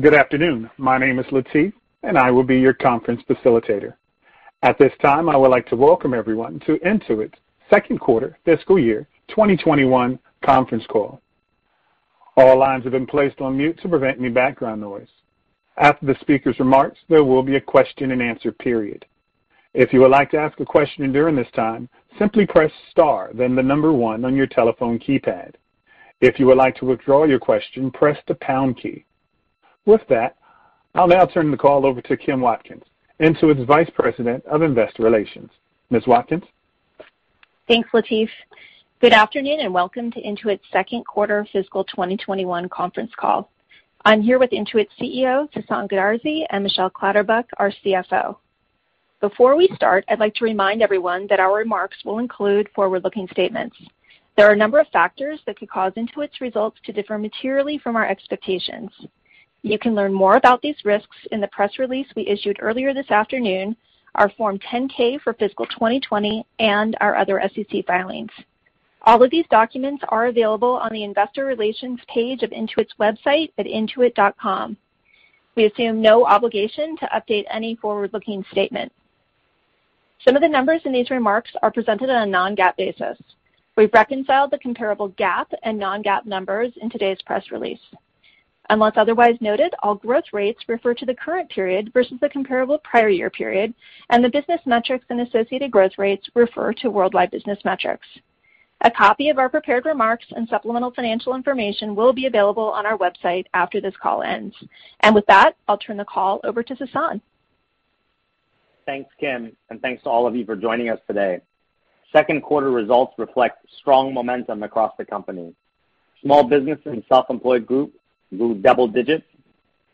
Good afternoon. My name is Latif. I will be your conference facilitator. At this time, I would like to welcome everyone to Intuit's second quarter fiscal year 2021 conference call. All lines have been placed on mute to prevent any background noise. After the speaker's remarks, there will be a question and answer period. If you would like to ask a question during this time, simply press star then the number one on your telephone keypad. If you would like to withdraw your question, press the pound key. With that, I'll now turn the call over to Kim Watkins, Intuit's Vice President of Investor Relations. Ms. Watkins? Thanks, Latif. Good afternoon, and welcome to Intuit's second quarter fiscal 2021 conference call. I'm here with Intuit's CEO, Sasan Goodarzi, and Michelle Clatterbuck, our CFO. Before we start, I'd like to remind everyone that our remarks will include forward-looking statements. There are a number of factors that could cause Intuit's results to differ materially from our expectations. You can learn more about these risks in the press release we issued earlier this afternoon, our Form 10-K for fiscal 2020, and our other SEC filings. All of these documents are available on the investor relations page of Intuit's website at intuit.com. We assume no obligation to update any forward-looking statement. Some of the numbers in these remarks are presented on a non-GAAP basis. We've reconciled the comparable GAAP and non-GAAP numbers in today's press release. Unless otherwise noted, all growth rates refer to the current period versus the comparable prior year period, and the business metrics and associated growth rates refer to worldwide business metrics. A copy of our prepared remarks and supplemental financial information will be available on our website after this call ends. With that, I'll turn the call over to Sasan. Thanks, Kim, and thanks to all of you for joining us today. Second quarter results reflect strong momentum across the company. Small Business and Self-Employed Group grew double digits.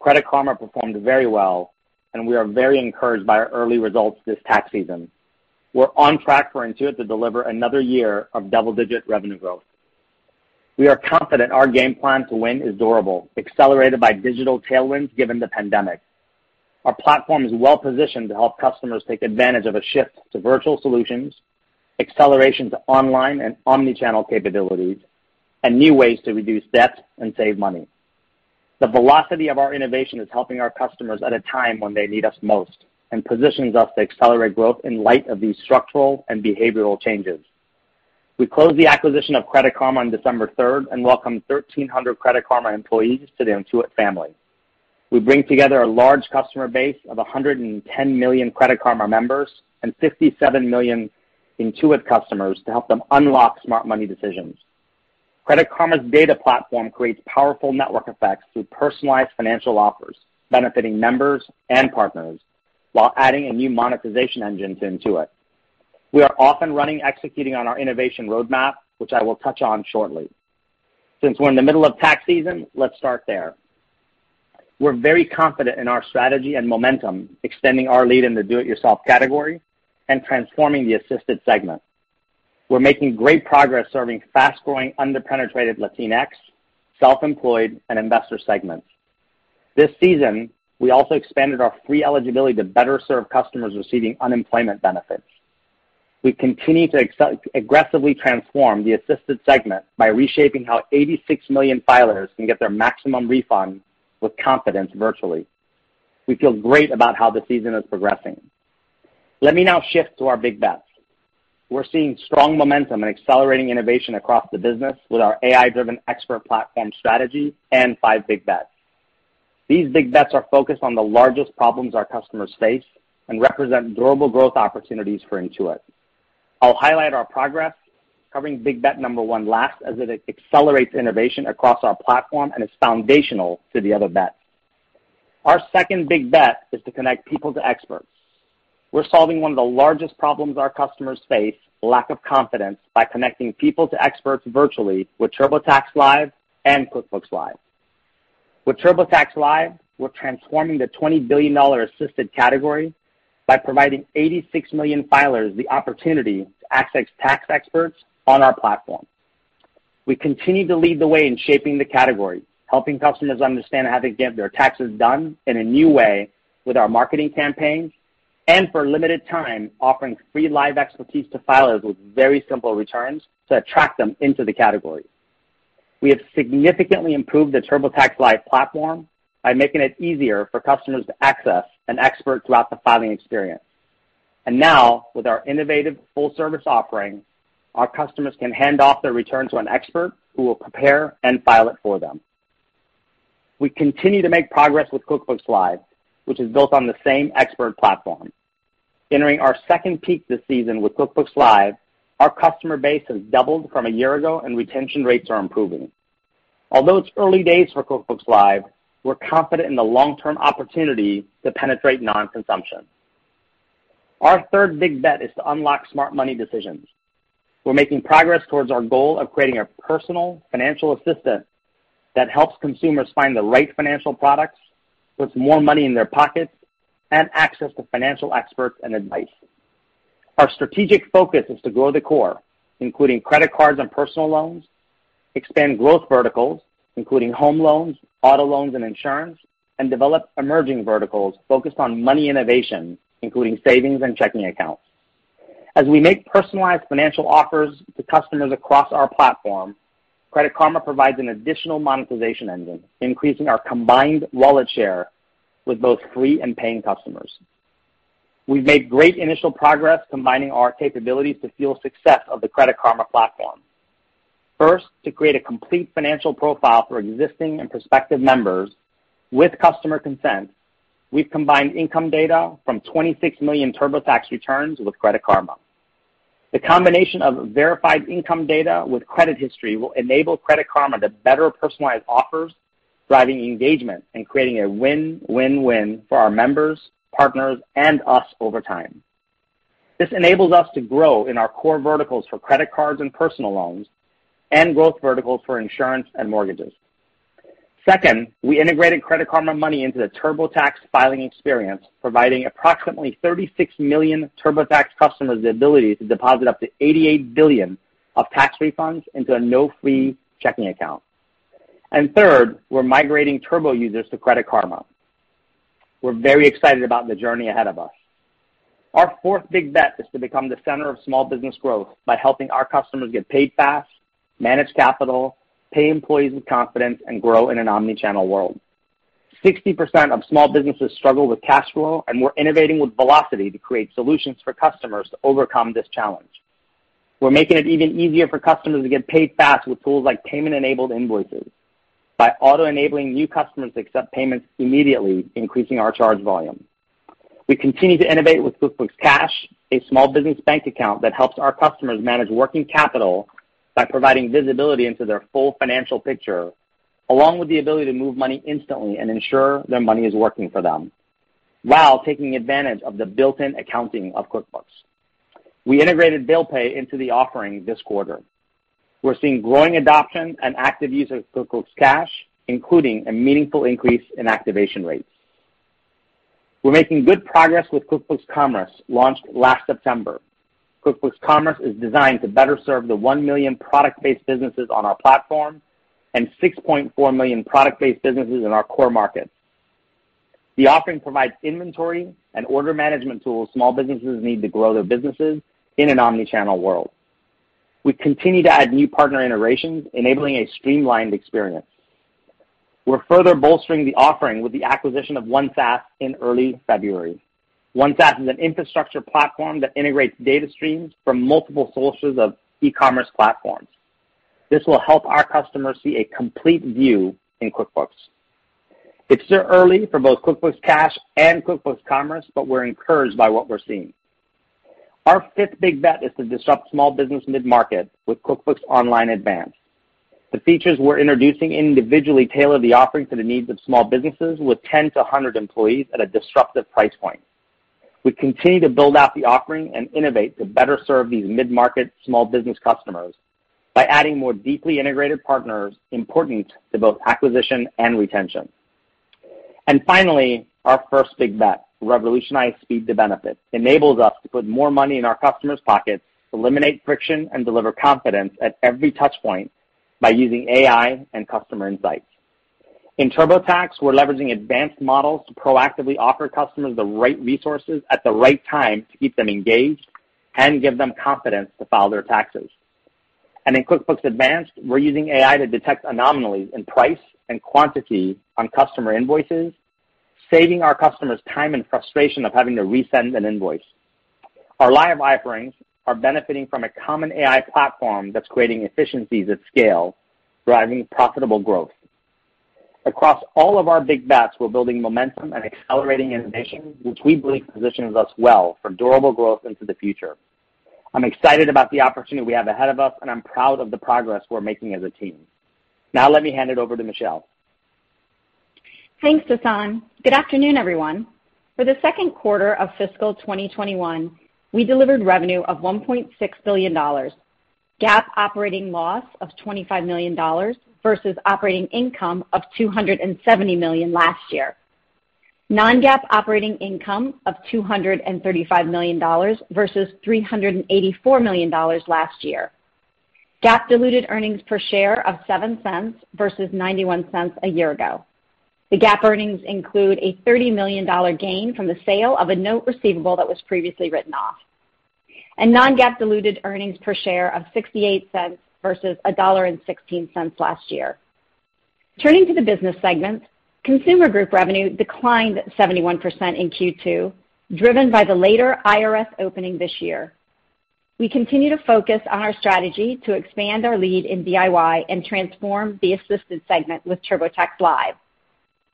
Credit Karma performed very well, and we are very encouraged by our early results this tax season. We're on track for Intuit to deliver another year of double-digit revenue growth. We are confident our game plan to win is durable, accelerated by digital tailwinds given the pandemic. Our platform is well positioned to help customers take advantage of a shift to virtual solutions, acceleration to online and omni-channel capabilities, and new ways to reduce debt and save money. The velocity of our innovation is helping our customers at a time when they need us most and positions us to accelerate growth in light of these structural and behavioral changes. We closed the acquisition of Credit Karma on December 3rd and welcomed 1,300 Credit Karma employees to the Intuit family. We bring together a large customer base of 110 million Credit Karma members and 67 million Intuit customers to help them unlock smart money decisions. Credit Karma's data platform creates powerful network effects through personalized financial offers benefiting members and partners while adding a new monetization engine to Intuit. We are off and running executing on our innovation roadmap, which I will touch on shortly. Since we're in the middle of tax season, let's start there. We're very confident in our strategy and momentum, extending our lead in the do-it-yourself category and transforming the assisted segment. We're making great progress serving fast-growing, under-penetrated Latinx, Self-Employed, and investor segments. This season, we also expanded our free eligibility to better serve customers receiving unemployment benefits. We continue to aggressively transform the assisted segment by reshaping how 86 million filers can get their maximum refund with confidence virtually. We feel great about how the season is progressing. Let me now shift to our Big Bets. We're seeing strong momentum and accelerating innovation across the business with our AI-driven expert platform strategy and five Big Bets. These Big Bets are focused on the largest problems our customers face and represent durable growth opportunities for Intuit. I'll highlight our progress covering Big Bet number one last as it accelerates innovation across our platform and is foundational to the other bets. Our second Big Bet is to connect people to experts. We're solving one of the largest problems our customers face, lack of confidence, by connecting people to experts virtually with TurboTax Live and QuickBooks Live. With TurboTax Live, we're transforming the $20 billion assisted category by providing 86 million filers the opportunity to access tax experts on our platform. We continue to lead the way in shaping the category, helping customers understand how to get their taxes done in a new way with our marketing campaigns, for a limited time, offering free live expertise to filers with very simple returns to attract them into the category. We have significantly improved the TurboTax Live platform by making it easier for customers to access an expert throughout the filing experience. Now, with our innovative full-service offering, our customers can hand off their return to an expert who will prepare and file it for them. We continue to make progress with QuickBooks Live, which is built on the same expert platform. Entering our second peak this season with QuickBooks Live, our customer base has doubled from a year ago, and retention rates are improving. Although it's early days for QuickBooks Live, we're confident in the long-term opportunity to penetrate non-consumption. Our third Big Bet is to unlock smart money decisions. We're making progress towards our goal of creating a personal financial assistant that helps consumers find the right financial products, puts more money in their pockets, and access to financial experts and advice. Our strategic focus is to grow the core, including credit cards and personal loans, expand growth verticals, including home loans, auto loans, and insurance, and develop emerging verticals focused on money innovation, including savings and checking accounts. As we make personalized financial offers to customers across our platform, Credit Karma provides an additional monetization engine, increasing our combined wallet share with both free and paying customers. We've made great initial progress combining our capabilities to fuel success of the Credit Karma platform. First, to create a complete financial profile for existing and prospective members with customer consent, we've combined income data from 26 million TurboTax returns with Credit Karma. The combination of verified income data with credit history will enable Credit Karma to better personalize offers, driving engagement, and creating a win-win-win for our members, partners, and us over time. This enables us to grow in our core verticals for credit cards and personal loans, and growth verticals for insurance and mortgages. Second, we integrated Credit Karma Money into the TurboTax filing experience, providing approximately 36 million TurboTax customers the ability to deposit up to $88 billion of tax refunds into a no-fee checking account. Third, we're migrating Turbo users to Credit Karma. We're very excited about the journey ahead of us. Our fourth Big Bet is to become the center of Small Business growth by helping our customers get paid fast, manage capital, pay employees with confidence, and grow in an omni-channel world. 60% of Small Businesses struggle with cash flow, and we're innovating with velocity to create solutions for customers to overcome this challenge. We're making it even easier for customers to get paid fast with tools like payment-enabled invoices by auto-enabling new customers to accept payments immediately, increasing our charge volume. We continue to innovate with QuickBooks Cash, a Small Business bank account that helps our customers manage working capital by providing visibility into their full financial picture, along with the ability to move money instantly and ensure their money is working for them, while taking advantage of the built-in accounting of QuickBooks. We integrated bill pay into the offering this quarter. We're seeing growing adoption and active use of QuickBooks Cash, including a meaningful increase in activation rates. We're making good progress with QuickBooks Commerce, launched last September. QuickBooks Commerce is designed to better serve the 1 million product-based businesses on our platform, and 6.4 million product-based businesses in our core market. The offering provides inventory and order management tools Small Businesses need to grow their businesses in an omni-channel world. We continue to add new partner integrations enabling a streamlined experience. We're further bolstering the offering with the acquisition of OneSaas in early February. OneSaas is an infrastructure platform that integrates data streams from multiple sources of e-commerce platforms. This will help our customers see a complete view in QuickBooks. It's still early for both QuickBooks Cash and QuickBooks Commerce, but we're encouraged by what we're seeing. Our fifth Big Bet is to disrupt Small Business mid-market with QuickBooks Online Advanced. The features we're introducing individually tailor the offerings to the needs of Small Businesses with 10-00 employees at a disruptive price point. We continue to build out the offering and innovate to better serve these mid-market Small Business customers by adding more deeply integrated partners important to both acquisition and retention. Finally, our first Big Bet, revolutionize speed to benefit, enables us to put more money in our customers' pockets, eliminate friction, and deliver confidence at every touch point by using AI and customer insights. In TurboTax, we're leveraging advanced models to proactively offer customers the right resources at the right time to keep them engaged and give them confidence to file their taxes. In QuickBooks Advanced, we're using AI to detect anomalies in price and quantity on customer invoices, saving our customers time and frustration of having to resend an invoice. Our line of offerings are benefiting from a common AI platform that's creating efficiencies at scale, driving profitable growth. Across all of our Big Bets, we're building momentum and accelerating innovation, which we believe positions us well for durable growth into the future. I'm excited about the opportunity we have ahead of us, and I'm proud of the progress we're making as a team. Let me hand it over to Michelle. Thanks, Sasan. Good afternoon, everyone. For the second quarter of fiscal 2021, we delivered revenue of $1.6 billion. GAAP operating loss of $25 million versus operating income of $270 million last year. Non-GAAP operating income of $235 million versus $384 million last year. GAAP diluted earnings per share of $0.07 versus $0.91 a year ago. The GAAP earnings include a $30 million gain from the sale of a note receivable that was previously written off. Non-GAAP diluted earnings per share of $0.68 versus $1.16 last year. Turning to the business segments, Consumer Group revenue declined 71% in Q2, driven by the later IRS opening this year. We continue to focus on our strategy to expand our lead in DIY and transform the assisted segment with TurboTax Live.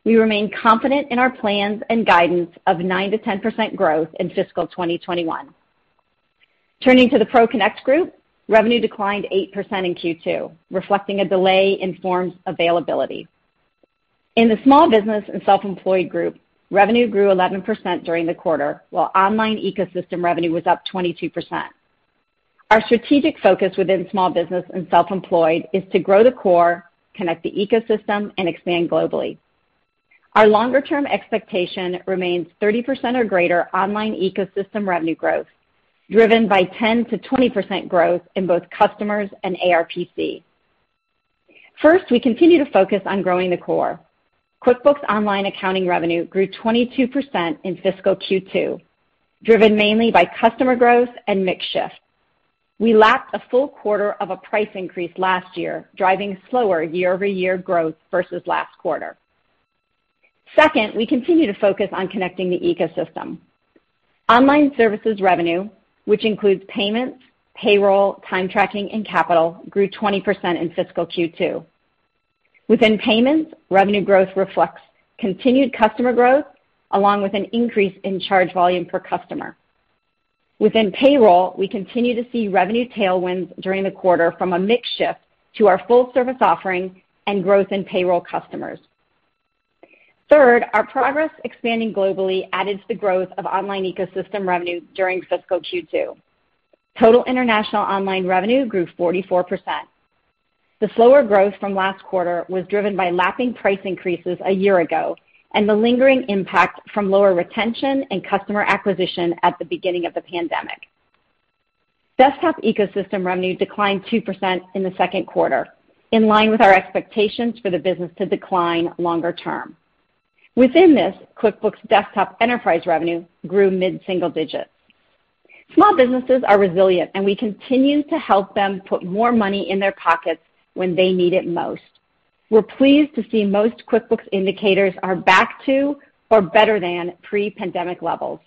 We remain confident in our plans and guidance of 9%-10% growth in fiscal 2021. Turning to the ProConnect Group, revenue declined 8% in Q2, reflecting a delay in forms availability. In the Small Business and Self-Employed Group, revenue grew 11% during the quarter, while online ecosystem revenue was up 22%. Our strategic focus within Small Business and Self-Employed is to grow the core, connect the ecosystem, and expand globally. Our longer-term expectation remains 30% or greater online ecosystem revenue growth, driven by 10%-20% growth in both customers and ARPC. First, we continue to focus on growing the core. QuickBooks Online accounting revenue grew 22% in fiscal Q2, driven mainly by customer growth and mix shift. We lapped a full quarter of a price increase last year, driving slower year-over-year growth versus last quarter. Second, we continue to focus on connecting the ecosystem. Online services revenue, which includes payments, payroll, time tracking, and capital, grew 20% in fiscal Q2. Within payments, revenue growth reflects continued customer growth, along with an increase in charge volume per customer. Within payroll, we continue to see revenue tailwinds during the quarter from a mix shift to our full service offering and growth in payroll customers. Third, our progress expanding globally added to the growth of online ecosystem revenue during fiscal Q2. Total international online revenue grew 44%. The slower growth from last quarter was driven by lapping price increases a year ago and the lingering impact from lower retention and customer acquisition at the beginning of the pandemic. Desktop ecosystem revenue declined 2% in the second quarter, in line with our expectations for the business to decline longer term. Within this, QuickBooks Desktop Enterprise revenue grew mid-single digits. Small businesses are resilient, and we continue to help them put more money in their pockets when they need it most. We're pleased to see most QuickBooks indicators are back to or better than pre-pandemic levels.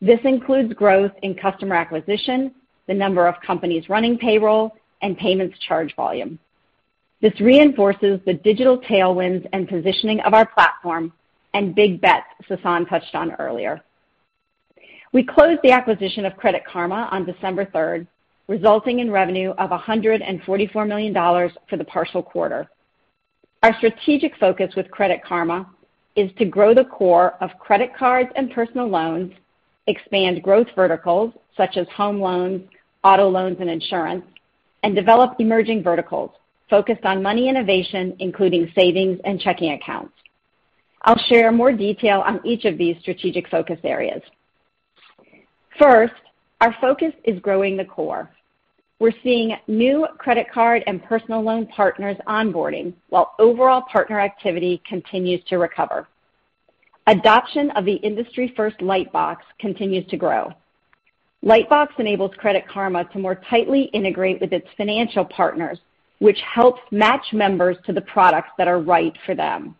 This includes growth in customer acquisition, the number of companies running payroll, and payments charge volume. This reinforces the digital tailwinds and positioning of our platform and Big Bets, Sasan touched on earlier. We closed the acquisition of Credit Karma on December 3rd, resulting in revenue of $144 million for the partial quarter. Our strategic focus with Credit Karma is to grow the core of credit cards and personal loans, expand growth verticals such as home loans, auto loans, and insurance, and develop emerging verticals focused on money innovation, including savings and checking accounts. I'll share more detail on each of these strategic focus areas. First, our focus is growing the core. We're seeing new credit card and personal loan partners onboarding while overall partner activity continues to recover. Adoption of the industry-first Lightbox continues to grow. Lightbox enables Credit Karma to more tightly integrate with its financial partners, which helps match members to the products that are right for them.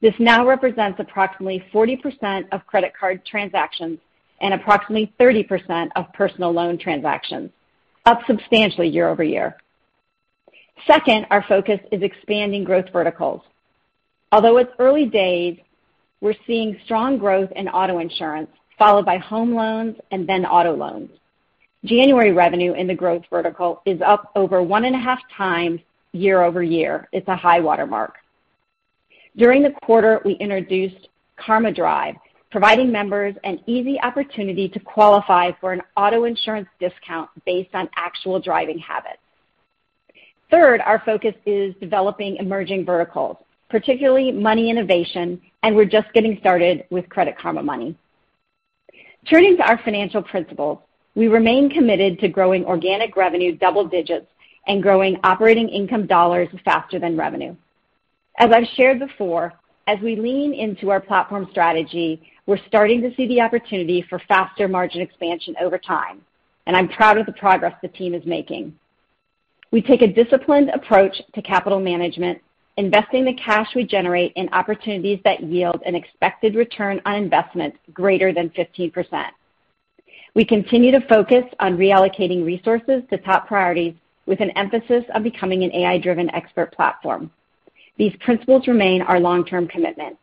This now represents approximately 40% of credit card transactions and approximately 30% of personal loan transactions, up substantially year-over-year. Second, our focus is expanding growth verticals. Although it's early days, we're seeing strong growth in auto insurance, followed by home loans, and then auto loans. January revenue in the growth vertical is up over 1.5x year-over-year. It's a high watermark. During the quarter, we introduced Karma Drive, providing members an easy opportunity to qualify for an auto insurance discount based on actual driving habits. Third, our focus is developing emerging verticals, particularly money innovation, and we're just getting started with Credit Karma Money. Turning to our financial principles, we remain committed to growing organic revenue double digits and growing operating income dollars faster than revenue. As I've shared before, as we lean into our platform strategy, we're starting to see the opportunity for faster margin expansion over time, and I'm proud of the progress the team is making. We take a disciplined approach to capital management, investing the cash we generate in opportunities that yield an expected return on investment greater than 15%. We continue to focus on reallocating resources to top priorities with an emphasis on becoming an AI-driven expert platform. These principles remain our long-term commitment.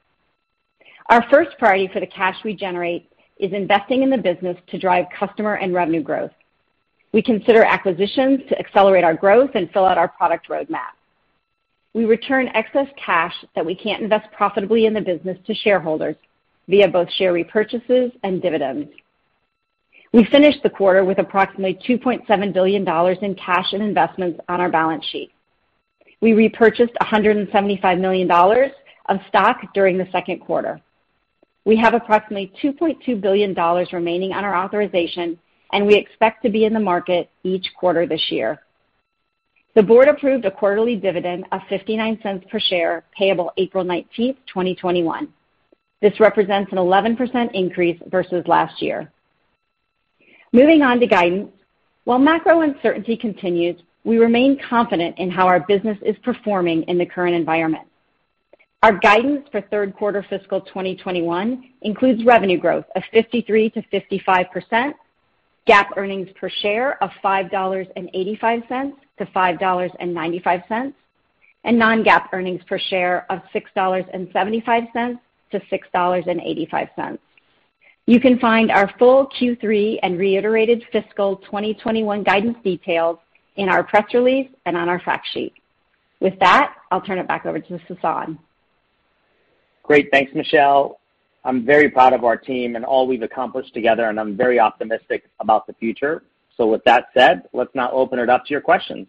Our first priority for the cash we generate is investing in the business to drive customer and revenue growth. We consider acquisitions to accelerate our growth and fill out our product roadmap. We return excess cash that we can't invest profitably in the business to shareholders via both share repurchases and dividends. We finished the quarter with approximately $2.7 billion in cash and investments on our balance sheet. We repurchased $175 million of stock during the second quarter. We have approximately $2.2 billion remaining on our authorization, and we expect to be in the market each quarter this year. The board approved a quarterly dividend of $0.59 per share, payable April 19th, 2021. This represents an 11% increase versus last year. Moving on to guidance. While macro uncertainty continues, we remain confident in how our business is performing in the current environment. Our guidance for third quarter fiscal 2021 includes revenue growth of 53%-55%, GAAP earnings per share of $5.85-$5.95, and non-GAAP earnings per share of $6.75-$6.85. You can find our full Q3 and reiterated fiscal 2021 guidance details in our press release and on our fact sheet. With that, I'll turn it back over to Sasan. Great. Thanks, Michelle. I'm very proud of our team and all we've accomplished together, and I'm very optimistic about the future. With that said, let's now open it up to your questions.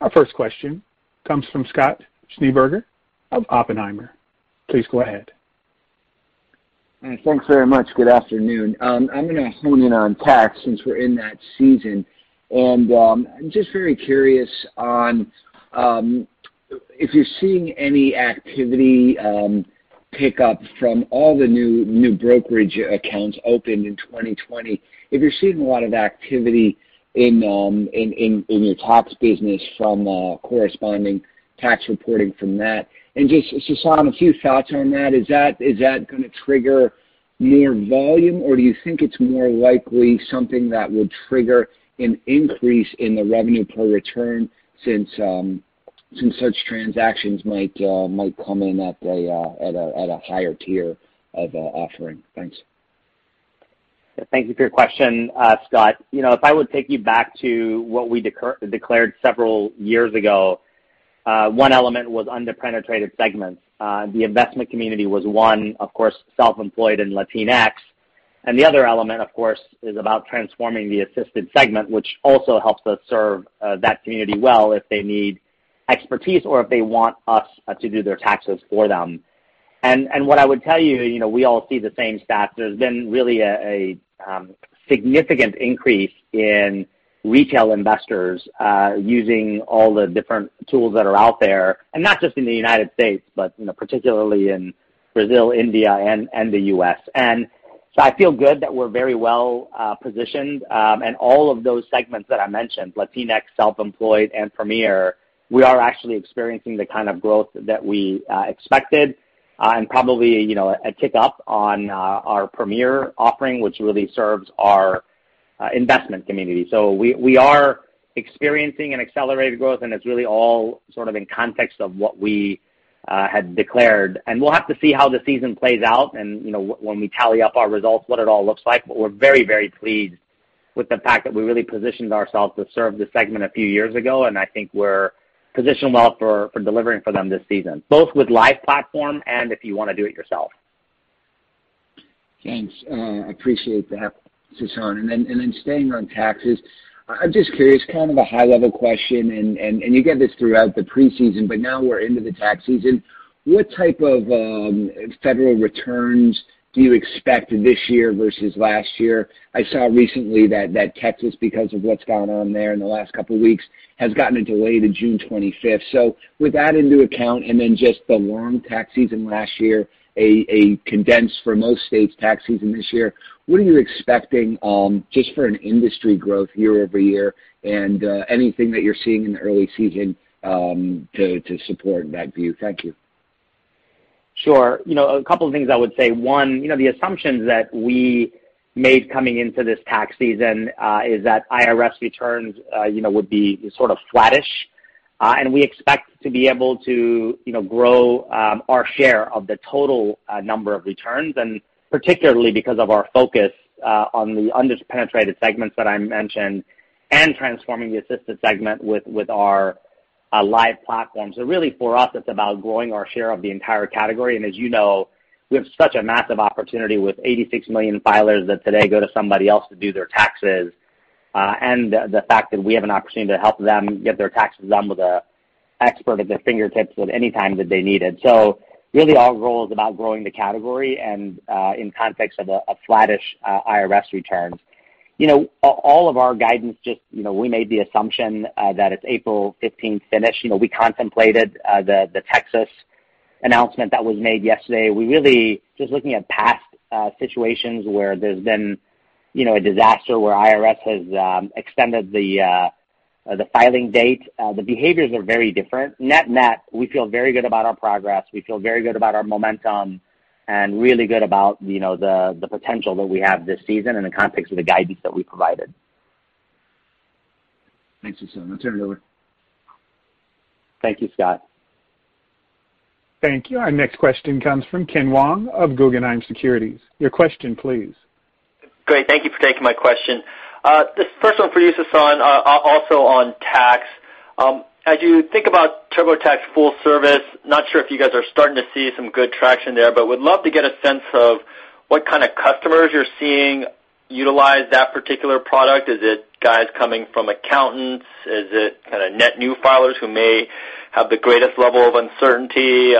Our first question comes from Scott Schneeberger of Oppenheimer. Please go ahead. Thanks very much. Good afternoon. I'm going to hone in on tax since we're in that season. I'm just very curious on if you're seeing any activity pickup from all the new brokerage accounts opened in 2020, if you're seeing a lot of activity in your tax business from corresponding tax reporting from that. Just, Sasan, a few thoughts on that. Is that going to trigger more volume, or do you think it's more likely something that would trigger an increase in the revenue per return since such transactions might come in at a higher tier of offering? Thanks. Thank you for your question, Scott. If I would take you back to what we declared several years ago, one element was under-penetrated segments. The investment community was one, of course, Self-Employed and Latinx. The other element, of course, is about transforming the assisted segment, which also helps us serve that community well if they need expertise or if they want us to do their taxes for them. What I would tell you, we all see the same stats. There's been really a significant increase in retail investors using all the different tools that are out there. Not just in the United States, but particularly in Brazil, India, and the U.S. I feel good that we're very well positioned. All of those segments that I mentioned, Latinx, Self-Employed, and Premier, we are actually experiencing the kind of growth that we expected. Probably, a tick up on our Premier offering, which really serves our investment community. We are experiencing an accelerated growth, and it's really all sort of in context of what we had declared. We'll have to see how the season plays out and when we tally up our results, what it all looks like. We're very pleased with the fact that we really positioned ourselves to serve the segment a few years ago, and I think we're positioned well for delivering for them this season, both with Live platform and if you want to do it yourself. Thanks. I appreciate that, Sasan. Staying on taxes, I'm just curious, kind of a high-level question, and you get this throughout the preseason, but now we're into the tax season. What type of federal returns do you expect this year versus last year? I saw recently that Texas, because of what's gone on there in the last couple of weeks, has gotten a delay to June 25th. With that into account and then just the long tax season last year, a condensed for most states tax season this year, what are you expecting just for an industry growth year-over-year and anything that you're seeing in the early season to support that view? Thank you. Sure. A couple of things I would say. One, the assumptions that we made coming into this tax season is that IRS returns would be sort of flattish. We expect to be able to grow our share of the total number of returns, particularly because of our focus on the under-penetrated segments that I mentioned and transforming the assisted segment with our Live platform. Really for us, it's about growing our share of the entire category. As you know, we have such a massive opportunity with 86 million filers that today go to somebody else to do their taxes. The fact that we have an opportunity to help them get their taxes done with an expert at their fingertips at any time that they need it. Really our goal is about growing the category and in context of a flattish IRS returns. All of our guidance just, we made the assumption that it's April 15th finish. We contemplated the Texas announcement that was made yesterday. We really just looking at past situations where there's been a disaster where IRS has extended the filing date. The behaviors are very different. Net-net, we feel very good about our progress, we feel very good about our momentum, and really good about the potential that we have this season in the context of the guidance that we provided. Thanks, Sasan. I'll turn it over. Thank you, Scott. Thank you. Our next question comes from Ken Wong of Guggenheim Securities. Your question, please. Great. Thank you for taking my question. This first one for you, Sasan, also on tax. As you think about TurboTax Full Service, not sure if you guys are starting to see some good traction there, but would love to get a sense of what kind of customers you're seeing utilize that particular product. Is it guys coming from accountants? Is it kind of net new filers who may have the greatest level of uncertainty?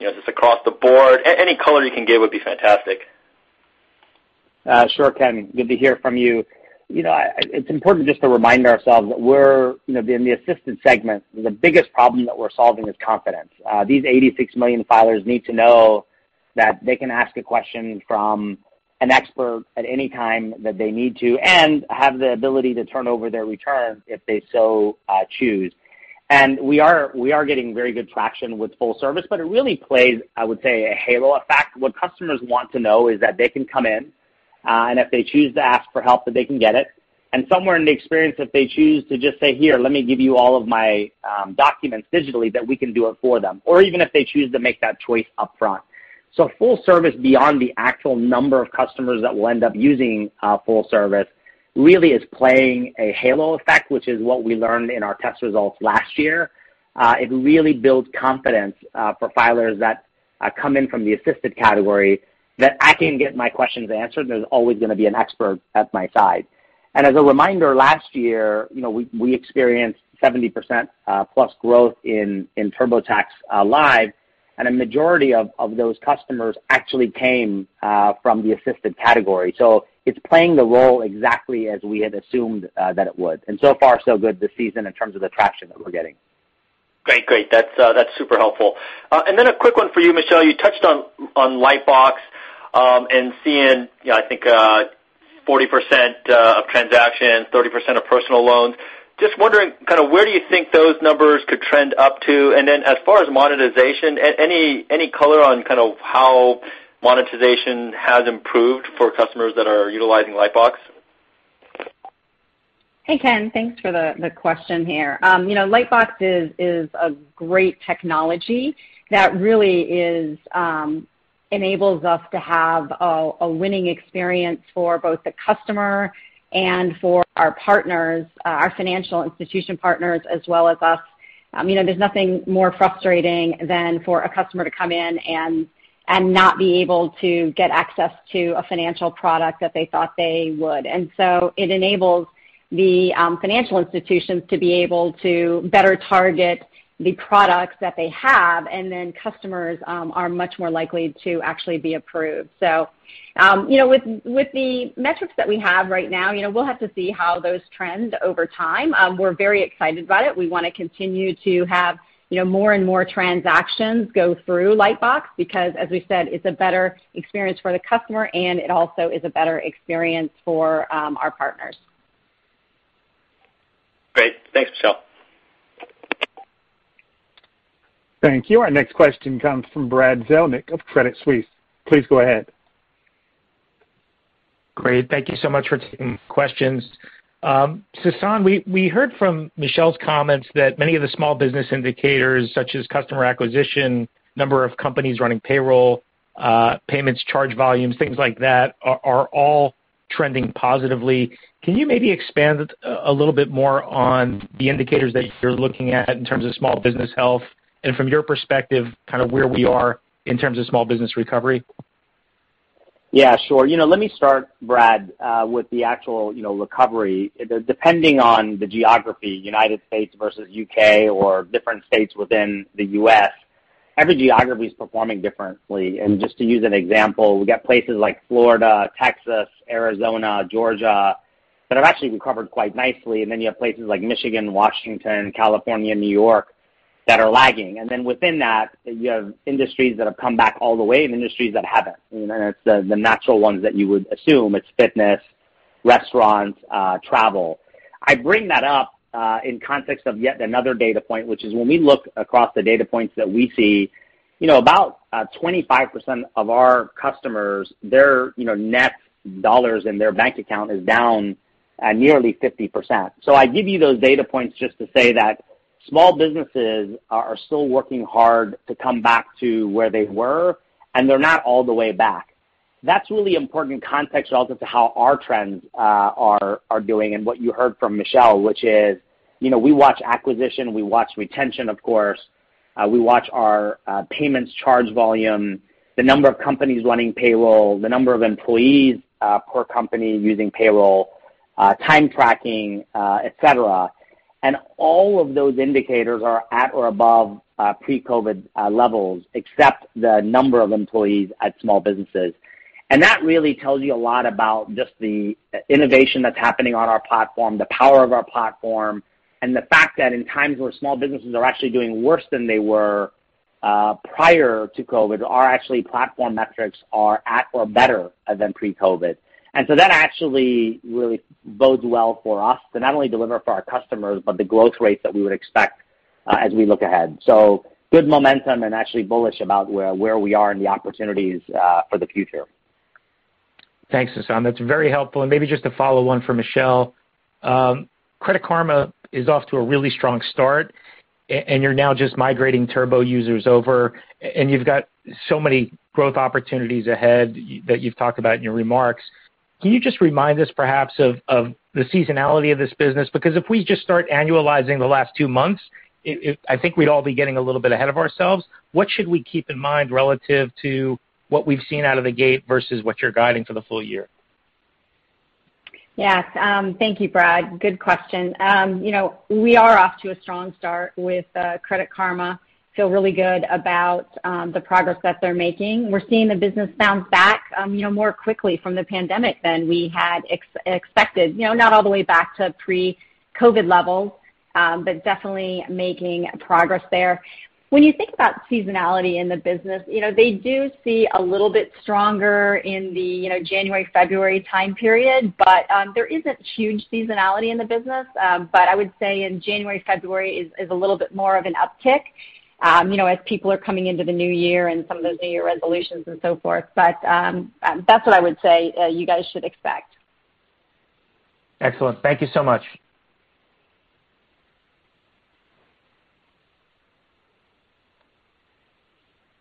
Just across the board. Any color you can give would be fantastic. Sure, Ken. Good to hear from you. It's important just to remind ourselves that we're in the assisted segment. The biggest problem that we're solving is confidence. These 86 million filers need to know that they can ask a question from an expert at any time that they need to and have the ability to turn over their return if they so choose. We are getting very good traction with Full Service, but it really plays, I would say, a halo effect. What customers want to know is that they can come in, and if they choose to ask for help, that they can get it. Somewhere in the experience, if they choose to just say, "Here, let me give you all of my documents digitally," that we can do it for them. Or even if they choose to make that choice upfront. Full service beyond the actual number of customers that will end up using full service really is playing a halo effect, which is what we learned in our test results last year. It really builds confidence for filers that come in from the assisted category that I can get my questions answered. There's always going to be an expert at my side. As a reminder, last year, we experienced 70%+ growth in TurboTax Live, and a majority of those customers actually came from the assisted category. It's playing the role exactly as we had assumed that it would. So far, so good this season in terms of the traction that we're getting. Great. That's super helpful. A quick one for you, Michelle. You touched on Lightbox, and seeing, I think 40% of transactions, 30% of personal loans. Just wondering where do you think those numbers could trend up to? As far as monetization, any color on how monetization has improved for customers that are utilizing Lightbox? Hey, Ken. Thanks for the question here. Lightbox is a great technology that really enables us to have a winning experience for both the customer and for our partners, our financial institution partners as well as us. There's nothing more frustrating than for a customer to come in and not be able to get access to a financial product that they thought they would. It enables the financial institutions to be able to better target the products that they have, and then customers are much more likely to actually be approved. With the metrics that we have right now, we'll have to see how those trend over time. We're very excited about it. We want to continue to have more and more transactions go through Lightbox because, as we said, it's a better experience for the customer, and it also is a better experience for our partners. Great. Thanks, Michelle. Thank you. Our next question comes from Brad Zelnick of Credit Suisse. Please go ahead. Great. Thank you so much for taking questions. Sasan, we heard from Michelle's comments that many of the Small Business indicators, such as customer acquisition, number of companies running payroll, payments, charge volumes, things like that, are all trending positively. Can you maybe expand a little bit more on the indicators that you're looking at in terms of Small Business health and from your perspective, where we are in terms of Small Business recovery? Yeah, sure. Let me start, Brad, with the actual recovery. Depending on the geography, United States versus U.K. or different states within the U.S., every geography is performing differently. Just to use an example, we got places like Florida, Texas, Arizona, Georgia, that have actually recovered quite nicely. Then you have places like Michigan, Washington, California, and New York that are lagging. Then within that, you have industries that have come back all the way and industries that haven't. It's the natural ones that you would assume. It's fitness, restaurants, travel. I bring that up in context of yet another data point, which is when we look across the data points that we see, about 25% of our customers, their net dollars in their bank account is down at nearly 50%. I give you those data points just to say that Small Businesses are still working hard to come back to where they were, and they're not all the way back. That's really important in context relative to how our trends are doing and what you heard from Michelle, which is we watch acquisition, we watch retention, of course, we watch our payments charge volume, the number of companies running payroll, the number of employees per company using payroll, time tracking, et cetera. All of those indicators are at or above pre-COVID levels, except the number of employees at Small Businesses. That really tells you a lot about just the innovation that's happening on our platform, the power of our platform, and the fact that in times where Small Businesses are actually doing worse than they were prior to COVID, our actually platform metrics are at or better than pre-COVID. That actually really bodes well for us to not only deliver for our customers, but the growth rates that we would expect as we look ahead. Good momentum and actually bullish about where we are in the opportunities for the future. Thanks, Sasan. That's very helpful. Maybe just a follow-up for Michelle. Credit Karma is off to a really strong start, and you're now just migrating Turbo users over, and you've got so many growth opportunities ahead that you've talked about in your remarks. Can you just remind us perhaps of the seasonality of this business? Because if we just start annualizing the last two months, I think we'd all be getting a little bit ahead of ourselves. What should we keep in mind relative to what we've seen out of the gate versus what you're guiding for the full year? Yes. Thank you, Brad. Good question. We are off to a strong start with Credit Karma. Feel really good about the progress that they're making. We're seeing the business bounce back more quickly from the pandemic than we had expected. Not all the way back to pre-COVID levels, definitely making progress there. When you think about seasonality in the business, they do see a little bit stronger in the January-February time period, there isn't huge seasonality in the business. I would say in January, February is a little bit more of an uptick as people are coming into the new year and some of those new year resolutions and so forth. That's what I would say you guys should expect. Excellent. Thank you so much.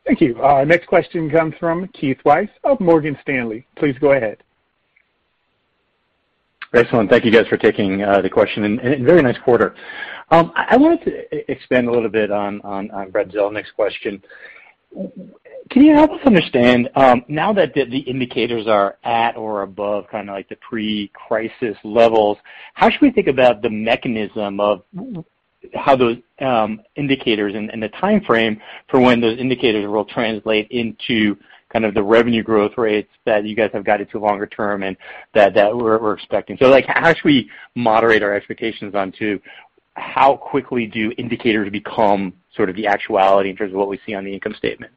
Thank you. Our next question comes from Keith Weiss of Morgan Stanley. Please go ahead. Excellent. Thank you guys for taking the question, very nice quarter. I wanted to expand a little bit on Brad Zelnick's question. Can you help us understand now that the indicators are at or above the pre-crisis levels, how should we think about the mechanism of how those indicators and the timeframe for when those indicators will translate into the revenue growth rates that you guys have guided to longer term and that we're expecting? How should we moderate our expectations onto how quickly do indicators become sort of the actuality in terms of what we see on the income statement?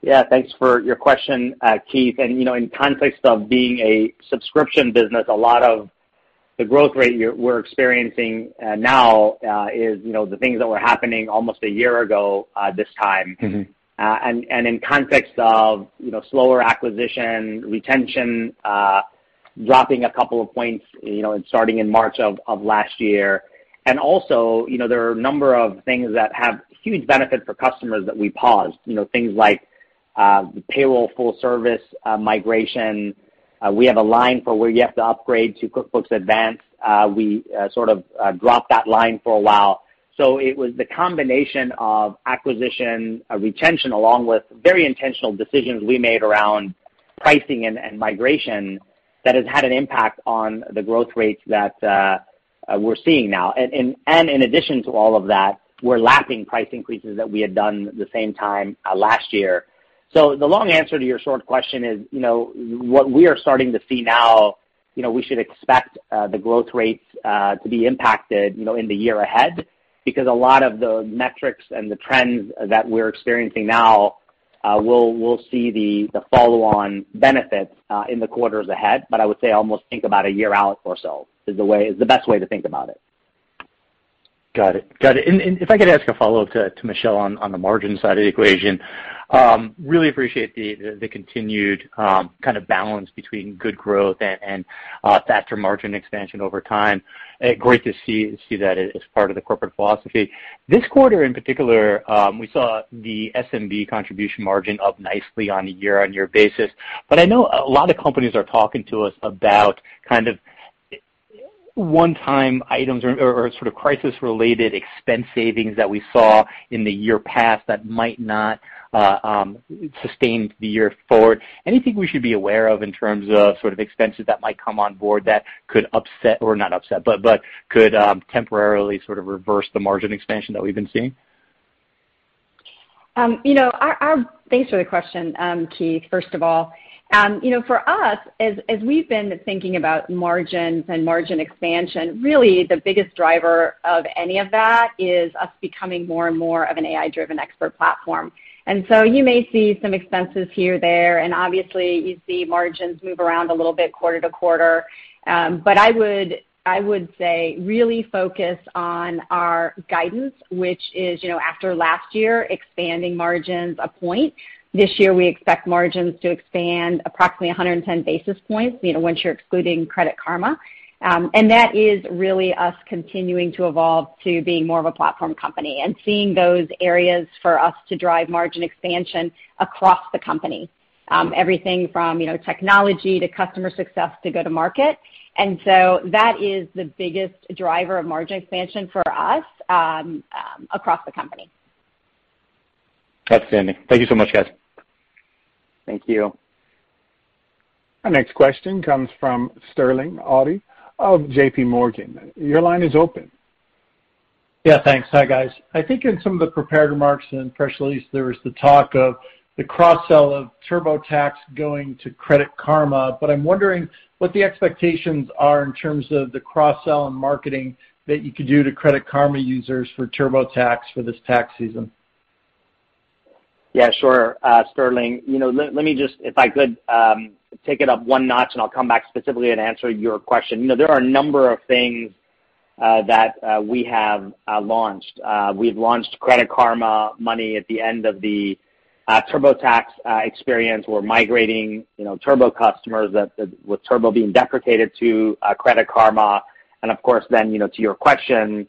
Yeah. Thanks for your question, Keith. In context of being a subscription business, a lot of the growth rate we're experiencing now is the things that were happening almost a year ago this time. In context of slower acquisition, retention dropping a couple of points starting in March of last year. Also, there are a number of things that have huge benefit for customers that we paused. Things like payroll full service migration. We have a line for where you have to upgrade to QuickBooks Advanced. We sort of dropped that line for a while. It was the combination of acquisition, retention, along with very intentional decisions we made around pricing and migration that has had an impact on the growth rates that we're seeing now. In addition to all of that, we're lapping price increases that we had done the same time last year. The long answer to your short question is what we are starting to see now, we should expect the growth rates to be impacted in the year ahead because a lot of the metrics and the trends that we're experiencing now, we'll see the follow-on benefits in the quarters ahead. I would say almost think about a year out or so is the best way to think about it. Got it. If I could ask a follow-up to Michelle on the margin side of the equation. Really appreciate the continued kind of balance between good growth and factor margin expansion over time. Great to see that as part of the corporate philosophy. This quarter in particular, we saw the SMB contribution margin up nicely on a year-on-year basis. I know a lot of companies are talking to us about one-time items or sort of crisis-related expense savings that we saw in the year past that might not sustain the year forward. Anything we should be aware of in terms of sort of expenses that might come on board that could upset, or not upset, but could temporarily sort of reverse the margin expansion that we've been seeing? Thanks for the question, Keith, first of all. For us, as we've been thinking about margins and margin expansion, really the biggest driver of any of that is us becoming more and more of an AI-driven expert platform. You may see some expenses here, there, and obviously you see margins move around a little bit quarter-to-quarter. I would say really focus on our guidance, which is after last year, expanding margins a point. This year, we expect margins to expand approximately 110 basis points, once you're excluding Credit Karma. That is really us continuing to evolve to being more of a platform company and seeing those areas for us to drive margin expansion across the company. Everything from technology to customer success to go-to-market. That is the biggest driver of margin expansion for us across the company. Outstanding. Thank you so much, guys. Thank you. Our next question comes from Sterling Auty of JPMorgan. Your line is open. Yeah, thanks. Hi, guys. I think in some of the prepared remarks and press release, there was the talk of the cross-sell of TurboTax going to Credit Karma. I'm wondering what the expectations are in terms of the cross-sell and marketing that you could do to Credit Karma users for TurboTax for this tax season. Yeah, sure, Sterling. Let me just, if I could, take it up one notch, and I'll come back specifically and answer your question. There are a number of things that we have launched. We've launched Credit Karma Money at the end of the TurboTax experience. We're migrating Turbo customers with Turbo being deprecated to Credit Karma, of course, then, to your question,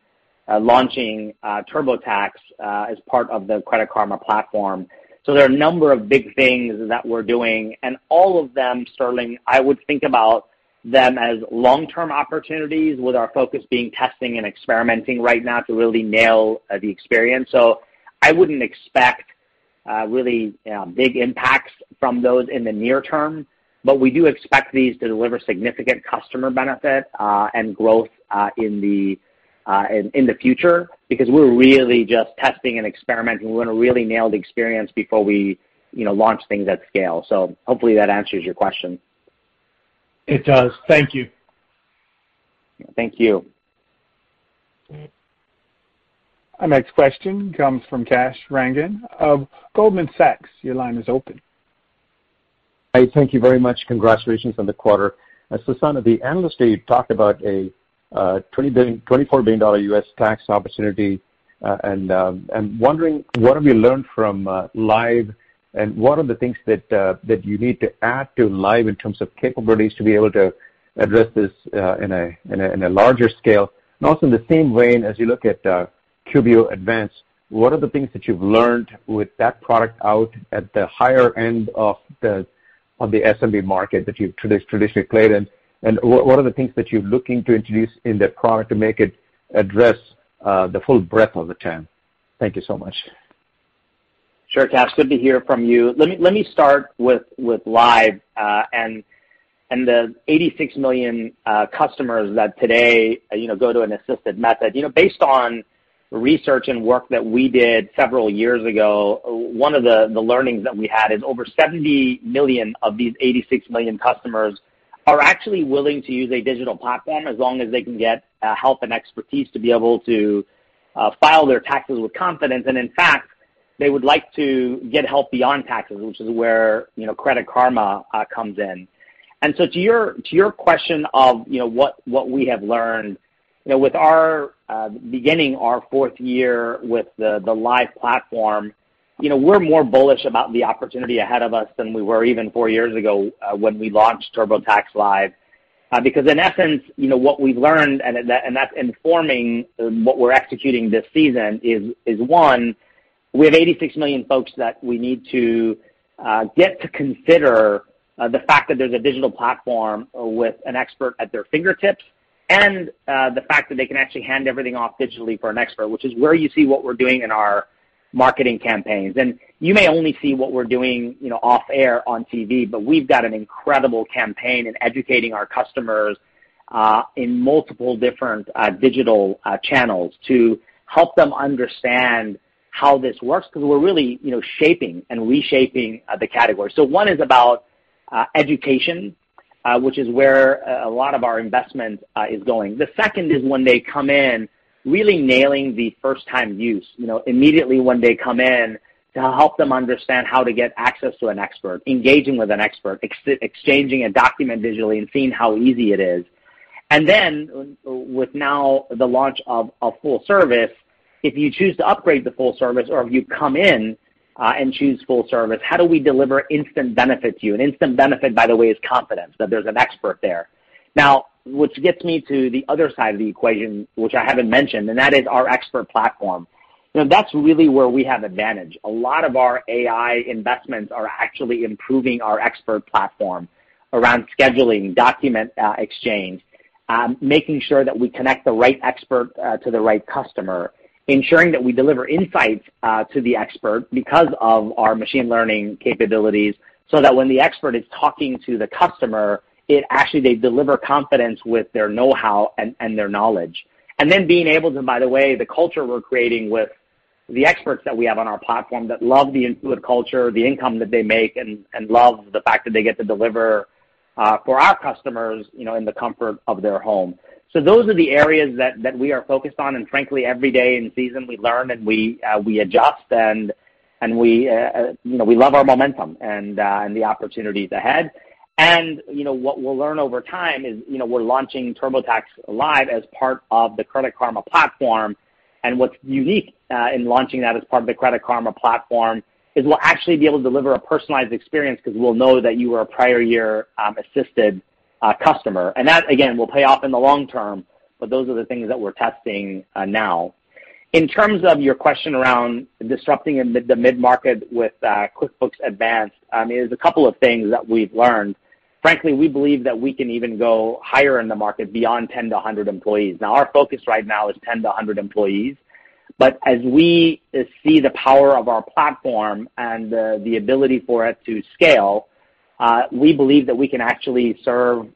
launching TurboTax as part of the Credit Karma platform. There are a number of big things that we're doing, and all of them, Sterling, I would think about them as long-term opportunities with our focus being testing and experimenting right now to really nail the experience. I wouldn't expect really big impacts from those in the near term, we do expect these to deliver significant customer benefit, and growth in the future, because we're really just testing and experimenting. We want to really nail the experience before we launch things at scale. Hopefully that answers your question. It does. Thank you. Thank you. Our next question comes from Kash Rangan of Goldman Sachs. Your line is open. Thank you very much. Congratulations on the quarter. Sasan, at the Investor Day, you talked about a $24 billion U.S. tax opportunity. I'm wondering, what have you learned from Live and what are the things that you need to add to Live in terms of capabilities to be able to address this in a larger scale. Also in the same vein, as you look at QBO Advanced, what are the things that you've learned with that product out at the higher end of the SMB market that you've traditionally played in? What are the things that you're looking to introduce in that product to make it address the full breadth of the TAM? Thank you so much. Sure, Kash. Good to hear from you. Let me start with Live, and the 86 million customers that today go to an assisted method. Based on research and work that we did several years ago, one of the learnings that we had is over 70 million of these 86 million customers are actually willing to use a digital platform as long as they can get help and expertise to be able to file their taxes with confidence. In fact, they would like to get help beyond taxes, which is where Credit Karma comes in. To your question of what we have learned, beginning our fourth year with the Live platform, we're more bullish about the opportunity ahead of us than we were even four years ago when we launched TurboTax Live. In essence, what we've learned, and that's informing what we're executing this season is one, we have 86 million folks that we need to get to consider the fact that there's a digital platform with an expert at their fingertips, and the fact that they can actually hand everything off digitally for an expert, which is where you see what we're doing in our marketing campaigns. You may only see what we're doing off-air on TV, but we've got an incredible campaign in educating our customers in multiple different digital channels to help them understand how this works, because we're really shaping and reshaping the category. One is about education, which is where a lot of our investment is going. The second is when they come in, really nailing the first time use. Immediately when they come in, to help them understand how to get access to an expert, engaging with an expert, exchanging a document digitally, and seeing how easy it is. Then with now the launch of Full Service, if you choose to upgrade to Full Service, or if you come in and choose Full Service, how do we deliver instant benefit to you? Instant benefit, by the way, is confidence, that there's an expert there. Which gets me to the other side of the equation, which I haven't mentioned, and that is our expert platform. That's really where we have advantage. A lot of our AI investments are actually improving our expert platform around scheduling, document exchange, making sure that we connect the right expert to the right customer, ensuring that we deliver insights to the expert because of our machine learning capabilities, so that when the expert is talking to the customer, it actually they deliver confidence with their knowhow and their knowledge. Being able to, by the way, the culture we're creating with the experts that we have on our platform that love the Intuit culture, the income that they make, and love the fact that they get to deliver for our customers in the comfort of their home. Those are the areas that we are focused on, and frankly, every day in season, we learn and we adjust and we love our momentum and the opportunities ahead. What we will learn over time is we are launching TurboTax Live as part of the Credit Karma platform. What is unique in launching that as part of the Credit Karma platform is we will actually be able to deliver a personalized experience because we will know that you were a prior year assisted customer. That, again, will pay off in the long term, but those are the things that we are testing now. In terms of your question around disrupting the mid-market with QuickBooks Advanced, there is a couple of things that we have learned. Frankly, we believe that we can even go higher in the market beyond 10-100 employees. Now our focus right now is 10-100 employees, but as we see the power of our platform and the ability for it to scale, we believe that we can actually serve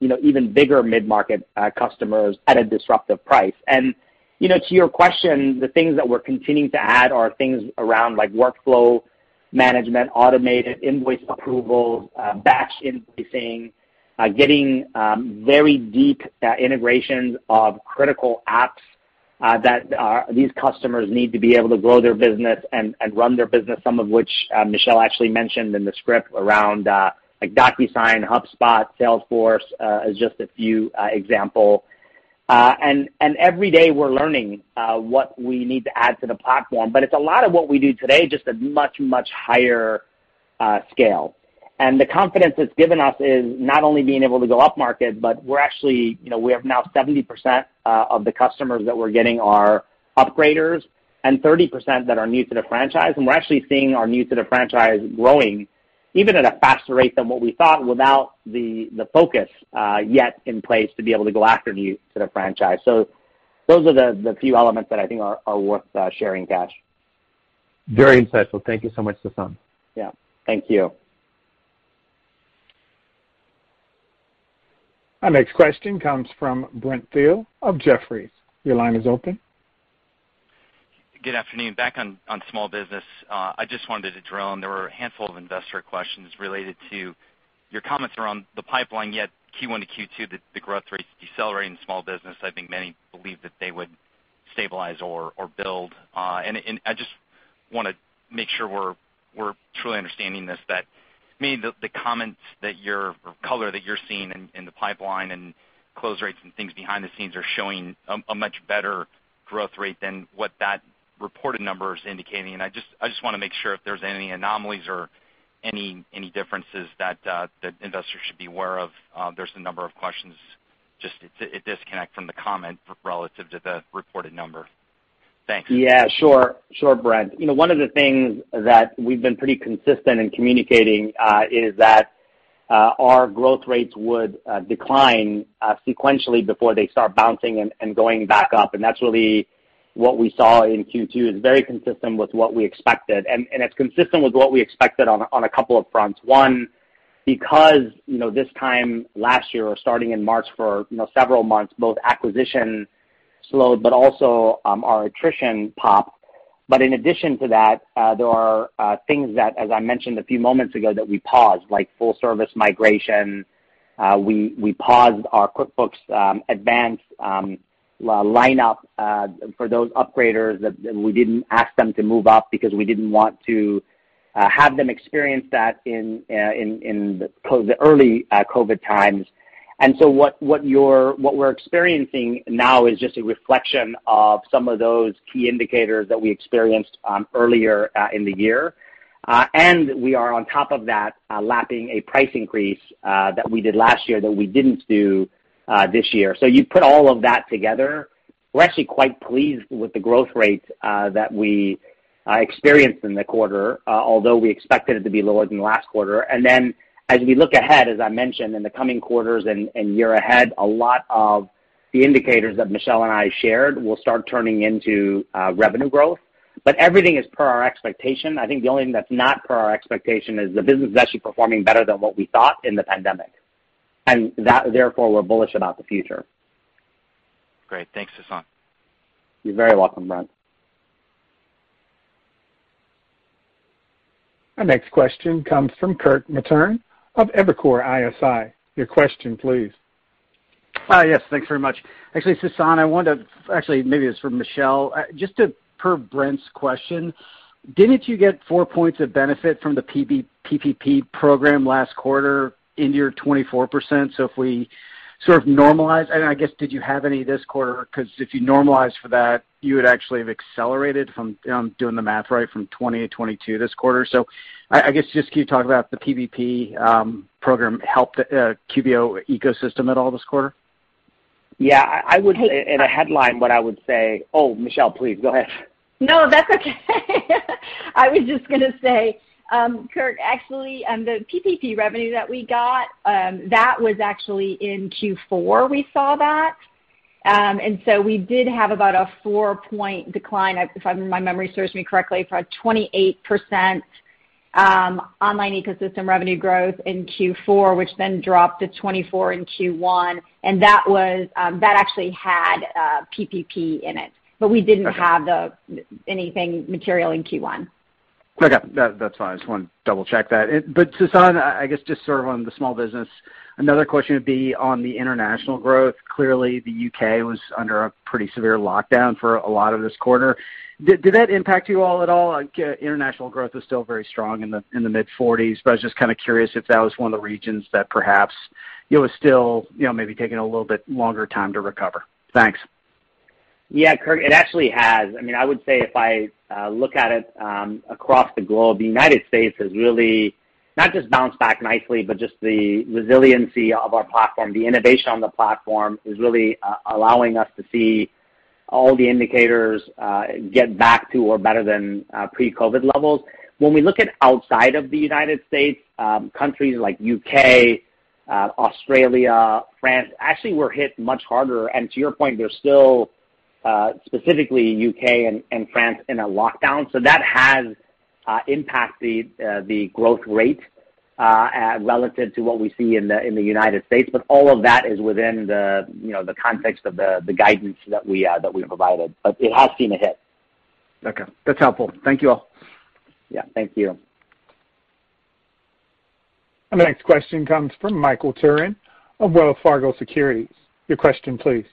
even bigger mid-market customers at a disruptive price. To your question, the things that we're continuing to add are things around workflow management, automated invoice approval, batch invoicing, getting very deep integrations of critical apps that these customers need to be able to grow their business and run their business, some of which Michelle actually mentioned in the script around DocuSign, HubSpot, Salesforce, as just a few example. Every day we're learning what we need to add to the platform. It's a lot of what we do today, just at much, much higher scale. The confidence it's given us is not only being able to go up market, but we have now 70% of the customers that we're getting are upgraders and 30% that are new to the franchise, and we're actually seeing our new to the franchise growing even at a faster rate than what we thought without the focus yet in place to be able to go after new to the franchise. Those are the few elements that I think are worth sharing, Kash. Very insightful. Thank you so much, Sasan. Yeah. Thank you. Our next question comes from Brent Thill of Jefferies. Your line is open. Good afternoon. Back on Small Business. I just wanted to drill in, there were a handful of investor questions related to your comments around the pipeline yet Q1-Q2, the growth rates decelerating in Small Business. I think many believed that they would stabilize or build. I just want to make sure we're truly understanding this, that maybe the comments or color that you're seeing in the pipeline and close rates and things behind the scenes are showing a much better growth rate than what that reported number is indicating, and I just want to make sure if there's any anomalies or any differences that investors should be aware of. There's a number of questions, just a disconnect from the comment relative to the reported number. Thanks. Yeah, sure, Brent. One of the things that we've been pretty consistent in communicating is that our growth rates would decline sequentially before they start bouncing and going back up, and that's really what we saw in Q2, is very consistent with what we expected. It's consistent with what we expected on a couple of fronts. One, because this time last year or starting in March for several months, both acquisition slowed but also our attrition popped. In addition to that, there are things that, as I mentioned a few moments ago, that we paused, like full service migration. We paused our QuickBooks Advanced lineup for those upgraders, that we didn't ask them to move up because we didn't want to have them experience that in the early COVID times. What we're experiencing now is just a reflection of some of those key indicators that we experienced earlier in the year. We are on top of that, lapping a price increase that we did last year that we didn't do this year. You put all of that together, we're actually quite pleased with the growth rates that we experienced in the quarter, although we expected it to be lower than last quarter. As we look ahead, as I mentioned, in the coming quarters and year ahead, a lot of the indicators that Michelle and I shared will start turning into revenue growth. Everything is per our expectation. I think the only thing that's not per our expectation is the business is actually performing better than what we thought in the pandemic. Therefore, we're bullish about the future. Great. Thanks, Sasan. You're very welcome, Brent. Our next question comes from Kirk Materne of Evercore ISI. Your question please. Yes, thanks very much. Actually, Sasan, I wonder, actually, maybe it's for Michelle, just per Brent's question, didn't you get four points of benefit from the PPP program last quarter in your 24%? If we sort of normalize, and I guess, did you have any this quarter? Because if you normalize for that, you would actually have accelerated from, doing the math right, from 20%-22% this quarter. I guess just can you talk about the PPP program helped QBO ecosystem at all this quarter? Yeah, I would. Hey. In a headline, what I would say. Oh, Michelle, please go ahead. No, that's okay. I was just going to say, Kirk, actually, the PPP revenue that we got, that was actually in Q4 we saw that. We did have about a 4 point decline, if my memory serves me correctly, from a 28% online ecosystem revenue growth in Q4, which then dropped to 24% in Q1, and that actually had PPP in it. We didn't have anything material in Q1. Okay. That's fine. I just wanted to double-check that. Sasan, I guess just sort of on the Small Business, another question would be on the international growth. Clearly, the U.K. was under a pretty severe lockdown for a lot of this quarter. Did that impact you all at all? International growth was still very strong in the mid-40s, but I was just kind of curious if that was one of the regions that perhaps it was still maybe taking a little bit longer time to recover. Thanks. Yeah, Kirk, it actually has. I would say if I look at it across the globe, the United States has really not just bounced back nicely, but just the resiliency of our platform, the innovation on the platform is really allowing us to see all the indicators get back to or better than pre-COVID levels. When we look at outside of the United States, countries like U.K., Australia, France, actually were hit much harder. To your point, they're still, specifically U.K. and France, in a lockdown. That has impacted the growth rate relative to what we see in the United States. All of that is within the context of the guidance that we provided. It has seen a hit. Okay. That's helpful. Thank you all. Yeah. Thank you. Our next question comes from Michael Turrin of Wells Fargo Securities. Your question please.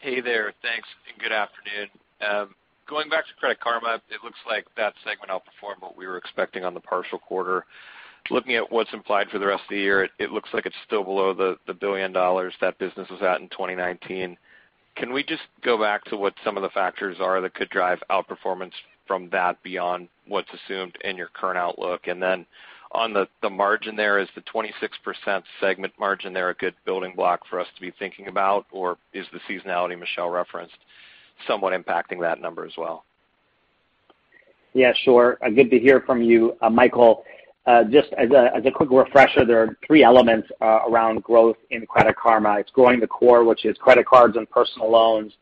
Hey there. Thanks, and good afternoon. Going back to Credit Karma, it looks like that segment outperformed what we were expecting on the partial quarter. Looking at what's implied for the rest of the year, it looks like it's still below the $1 billion that business was at in 2019. Can we just go back to what some of the factors are that could drive outperformance from that beyond what's assumed in your current outlook? On the margin there, is the 26% segment margin there a good building block for us to be thinking about, or is the seasonality Michelle referenced somewhat impacting that number as well? Good to hear from you, Michael. Just as a quick refresher, there are three elements around growth in Credit Karma. It's growing the core, which is credit cards and personal loans.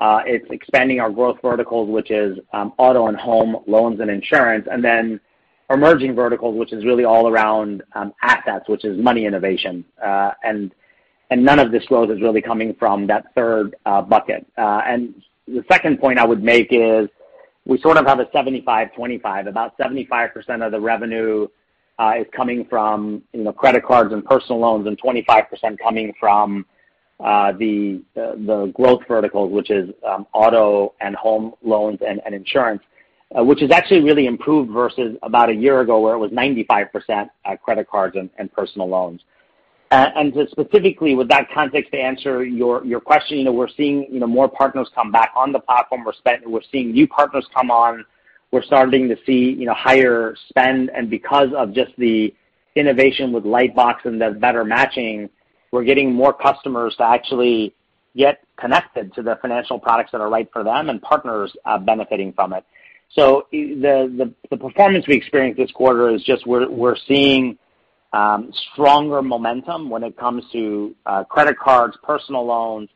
It's expanding our growth verticals, which is auto and home loans and insurance, and then emerging verticals, which is really all around assets, which is money innovation. None of this growth is really coming from that third bucket. The second point I would make is we sort of have a 75/25. About 75% of the revenue is coming from credit cards and personal loans and 25% coming from the growth verticals, which is auto and home loans and insurance, which has actually really improved versus about a year ago, where it was 95% credit cards and personal loans. Just specifically with that context, to answer your question, we're seeing more partners come back on the platform. We're seeing new partners come on. We're starting to see higher spend. Because of just the innovation with Lightbox and the better matching, we're getting more customers to actually get connected to the financial products that are right for them, and partners are benefiting from it. The performance we experienced this quarter is just we're seeing stronger momentum when it comes to credit cards, personal loans,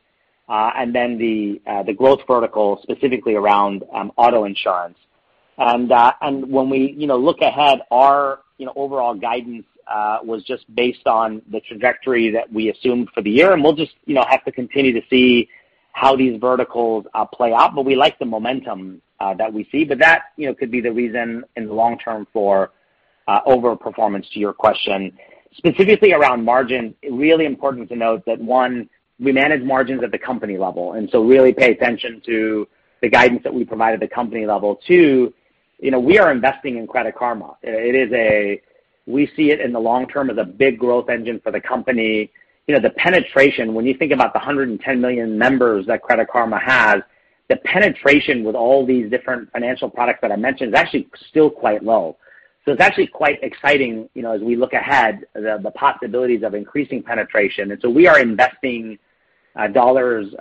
and then the growth verticals, specifically around auto insurance. When we look ahead, our overall guidance was just based on the trajectory that we assumed for the year, and we'll just have to continue to see how these verticals play out, but we like the momentum that we see. That could be the reason in the long term for over performance to your question. Specifically around margin, really important to note that, one, we manage margins at the company level, really pay attention to the guidance that we provide at the company level. Two, we are investing in Credit Karma. We see it in the long term as a big growth engine for the company. The penetration, when you think about the 110 million members that Credit Karma has, the penetration with all these different financial products that I mentioned is actually still quite low. It's actually quite exciting as we look ahead, the possibilities of increasing penetration. We are investing dollars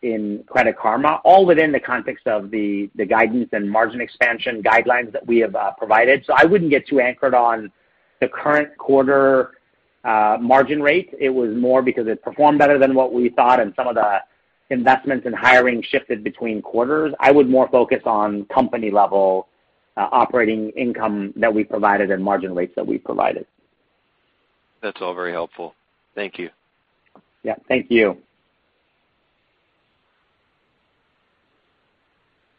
in Credit Karma, all within the context of the guidance and margin expansion guidelines that we have provided. I wouldn't get too anchored on the current quarter margin rate. It was more because it performed better than what we thought, and some of the investments in hiring shifted between quarters. I would more focus on company-level operating income that we provided and margin rates that we provided. That's all very helpful. Thank you. Yeah, thank you.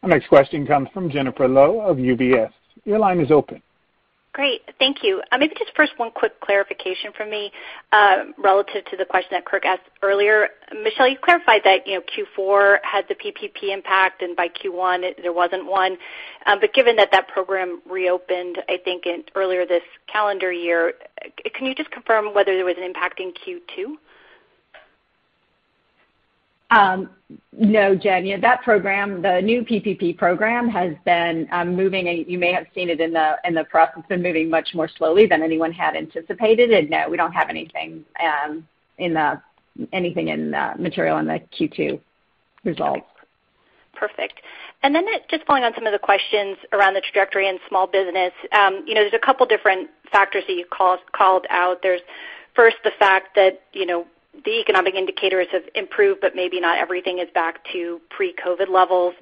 Our next question comes from Jennifer Lowe of UBS. Your line is open. Great. Thank you. Maybe just first one quick clarification from me relative to the question that Kirk asked earlier. Michelle, you clarified that Q4 had the PPP impact, and by Q1 there wasn't one. Given that that program reopened, I think earlier this calendar year, can you just confirm whether there was an impact in Q2? No, Jen. The new PPP program has been moving, you may have seen it in the process, much more slowly than anyone had anticipated. No, we don't have anything in material in the Q2 results. Perfect. Then just following on some of the questions around the trajectory in Small Business. There's a couple different factors that you called out. There's first the fact that the economic indicators have improved, but maybe not everything is back to pre-COVID levels.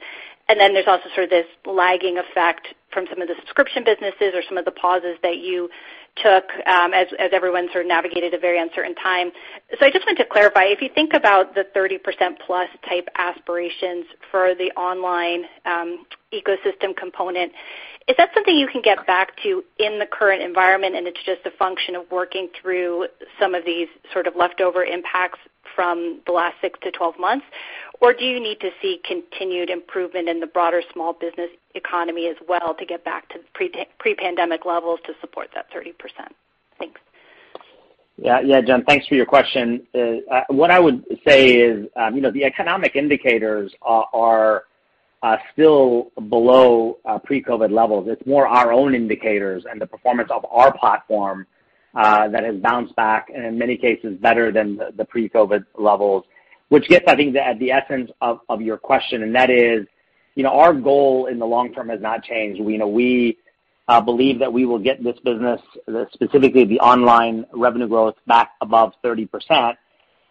Then there's also sort of this lagging effect from some of the subscription businesses or some of the pauses that you took as everyone sort of navigated a very uncertain time. I just wanted to clarify, if you think about the 30%+ type aspirations for the online ecosystem component, is that something you can get back to in the current environment, and it's just a function of working through some of these sort of leftover impacts from the last 6-12 months? Do you need to see continued improvement in the broader Small Business economy as well to get back to pre-pandemic levels to support that 30%? Thanks. Yeah. Jen, thanks for your question. What I would say is the economic indicators are still below pre-COVID levels. It's more our own indicators and the performance of our platform that has bounced back, and in many cases, better than the pre-COVID levels, which gets, I think, at the essence of your question, and that is, our goal in the long term has not changed. We believe that we will get this business, specifically the online revenue growth, back above 30%,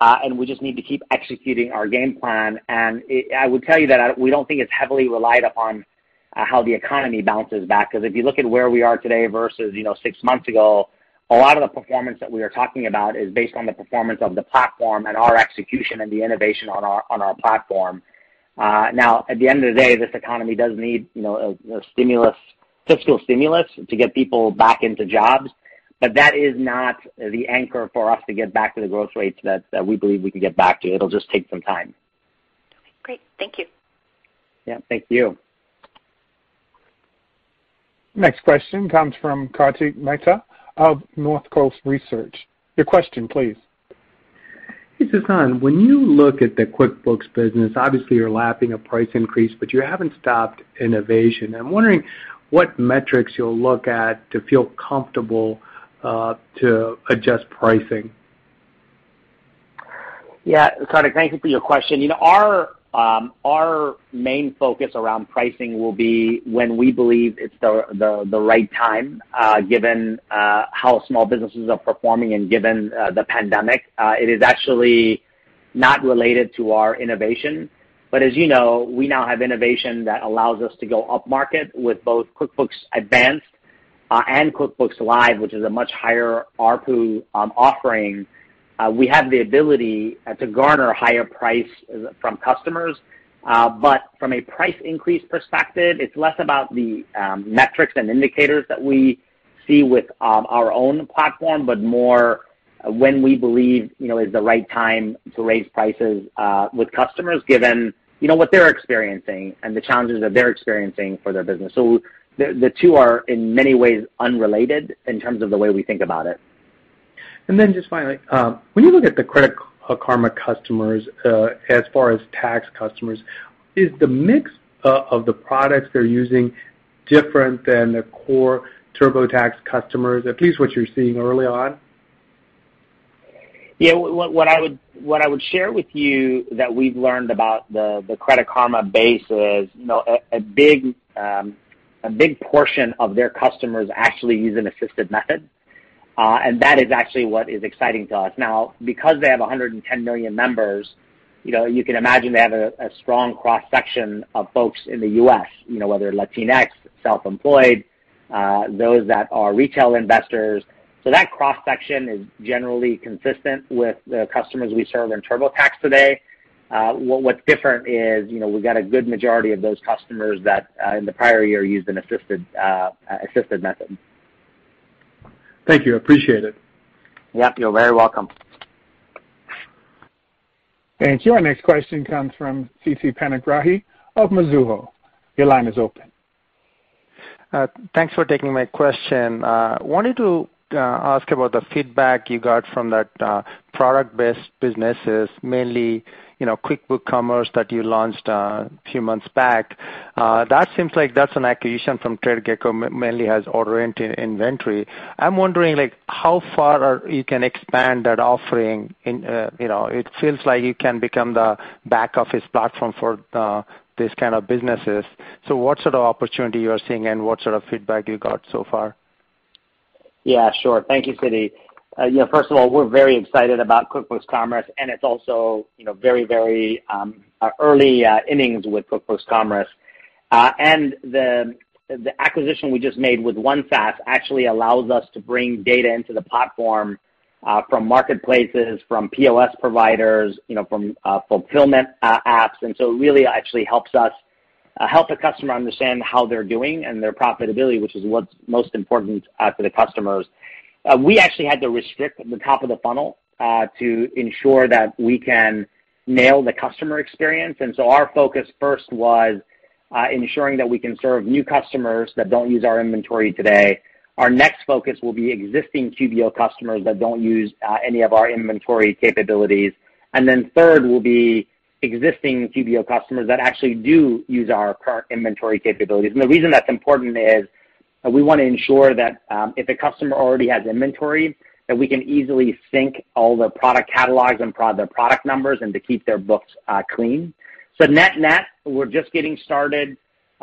and we just need to keep executing our game plan. I would tell you that we don't think it's heavily relied upon how the economy bounces back. If you look at where we are today versus six months ago, a lot of the performance that we are talking about is based on the performance of the platform and our execution and the innovation on our platform. At the end of the day, this economy does need fiscal stimulus to get people back into jobs, but that is not the anchor for us to get back to the growth rates that we believe we can get back to. It'll just take some time. Okay, great. Thank you. Yeah, thank you. Next question comes from Kartik Mehta of Northcoast Research. Your question, please. Hey, Sasan. When you look at the QuickBooks business, obviously you're lapping a price increase, but you haven't stopped innovation. I'm wondering what metrics you'll look at to feel comfortable to adjust pricing. Yeah. Kartik, thank you for your question. Our main focus around pricing will be when we believe it's the right time given how Small Businesses are performing and given the pandemic. It is actually not related to our innovation, but as you know, we now have innovation that allows us to go up market with both QuickBooks Advanced and QuickBooks Live, which is a much higher ARPU offering. We have the ability to garner a higher price from customers. From a price increase perspective, it's less about the metrics and indicators that we see with our own platform, but more when we believe is the right time to raise prices with customers, given what they're experiencing and the challenges that they're experiencing for their business. The two are in many ways unrelated in terms of the way we think about it. Just finally, when you look at the Credit Karma customers, as far as tax customers, is the mix of the products they're using different than the core TurboTax customers, at least what you're seeing early on? Yeah. What I would share with you that we've learned about the Credit Karma base is, a big portion of their customers actually use an assisted method. That is actually what is exciting to us. Because they have 110 million members, you can imagine they have a strong cross-section of folks in the U.S., whether Latinx, Self-Employed, those that are retail investors. That cross-section is generally consistent with the customers we serve in TurboTax today. What's different is, we've got a good majority of those customers that, in the prior year, used an assisted method. Thank you. Appreciate it. Yep, you're very welcome. Thank you. Our next question comes from Siti Panigrahi of Mizuho. Your line is open. Thanks for taking my question. Wanted to ask about the feedback you got from that product-based businesses mainly, QuickBooks Commerce that you launched a few months back. That seems like that's an acquisition from TradeGecko, mainly has order inventory. I'm wondering how far you can expand that offering. It feels like you can become the back office platform for these kind of businesses. What sort of opportunity you are seeing and what sort of feedback you got so far? Yeah, sure. Thank you, Siti. First of all, we're very excited about QuickBooks Commerce, and it's also very early innings with QuickBooks Commerce. The acquisition we just made with OneSaas actually allows us to bring data into the platform, from marketplaces, from POS providers, from fulfillment apps. It really actually helps the customer understand how they're doing and their profitability, which is what's most important for the customers. We actually had to restrict the top of the funnel to ensure that we can nail the customer experience. Our focus first was ensuring that we can serve new customers that don't use our inventory today. Our next focus will be existing QBO customers that don't use any of our inventory capabilities. Third will be existing QBO customers that actually do use our current inventory capabilities. The reason that's important is we want to ensure that if a customer already has inventory, that we can easily sync all their product catalogs and their product numbers and to keep their books clean. Net-net, we're just getting started.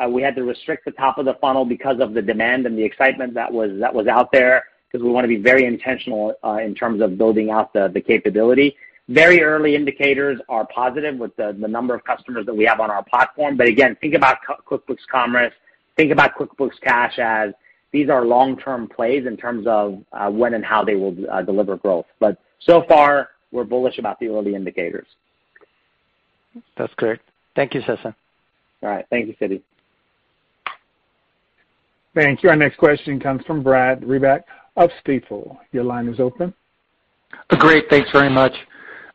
We had to restrict the top of the funnel because of the demand and the excitement that was out there because we want to be very intentional in terms of building out the capability. Very early indicators are positive with the number of customers that we have on our platform. Again, think about QuickBooks Commerce, think about QuickBooks Cash as these are long-term plays in terms of when and how they will deliver growth. So far, we're bullish about the early indicators. That's clear. Thank you, Sasan. All right. Thank you, Siti. Thank you. Our next question comes from Brad Reback of Stifel. Your line is open. Great, thanks very much.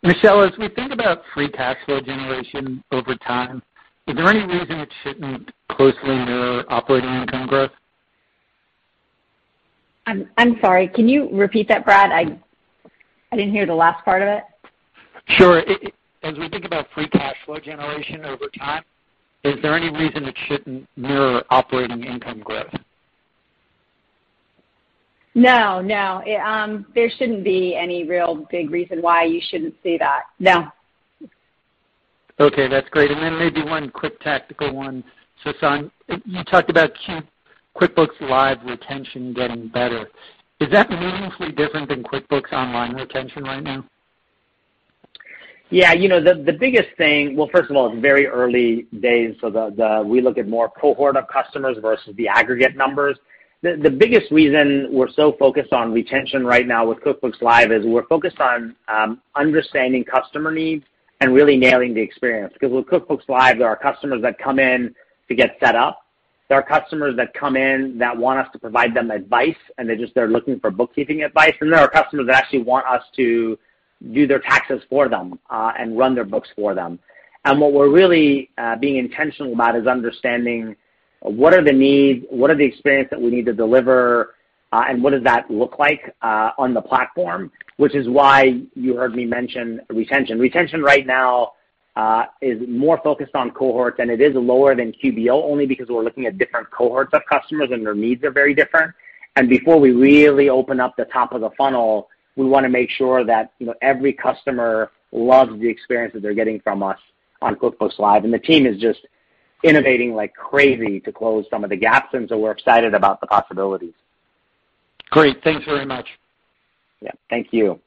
Michelle, as we think about free cash flow generation over time, is there any reason it shouldn't closely mirror operating income growth? I'm sorry, can you repeat that, Brad? I didn't hear the last part of it. Sure. As we think about free cash flow generation over time, is there any reason it shouldn't mirror operating income growth? No. There shouldn't be any real big reason why you shouldn't see that. No. Okay, that's great. Then maybe one quick tactical one. Sasan, you talked about QuickBooks Live retention getting better. Is that meaningfully different than QuickBooks Online retention right now? Yeah. First of all, it's very early days, we look at more cohort of customers versus the aggregate numbers. The biggest reason we're so focused on retention right now with QuickBooks Live is we're focused on understanding customer needs and really nailing the experience. With QuickBooks Live, there are customers that come in to get set up. There are customers that come in that want us to provide them advice, and they're looking for bookkeeping advice. There are customers that actually want us to do their taxes for them, and run their books for them. What we're really being intentional about is understanding what are the needs, what are the experience that we need to deliver, and what does that look like on the platform, which is why you heard me mention retention. Retention right now, is more focused on cohorts. It is lower than QBO only because we're looking at different cohorts of customers and their needs are very different. Before we really open up the top of the funnel, we want to make sure that every customer loves the experience that they're getting from us on QuickBooks Live. The team is just innovating like crazy to close some of the gaps. We're excited about the possibilities. Great. Thanks very much. Yeah. Thank you.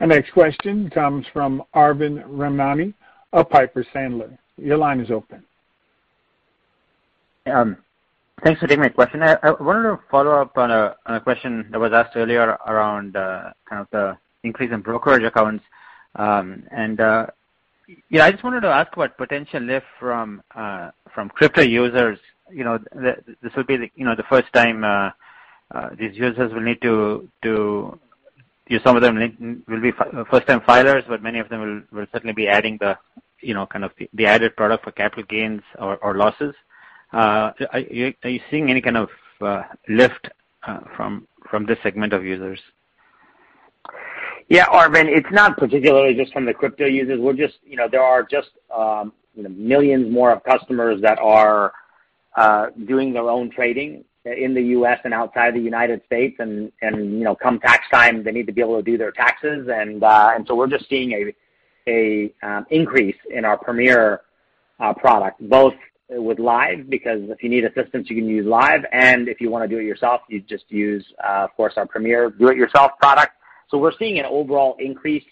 Our next question comes from Arvind Ramnani of Piper Sandler. Your line is open. Thanks for taking my question. I wanted to follow up on a question that was asked earlier around kind of the increase in brokerage accounts. Yeah, I just wanted to ask what potential lift from crypto users. This will be the first time these users will need to do, some of them will be first-time filers, but many of them will certainly be adding the added product for capital gains or losses. Are you seeing any kind of lift from this segment of users? Yeah, Arvind, it's not particularly just from the crypto users. There are just millions more of customers that are doing their own trading in the U.S. and outside the United States. Come tax time, they need to be able to do their taxes. We're just seeing an increase in our Premier product, both with Live, because if you need assistance, you can use Live, and if you want to do it yourself, you just use, of course, our Premier do-it-yourself product. We're seeing an overall increase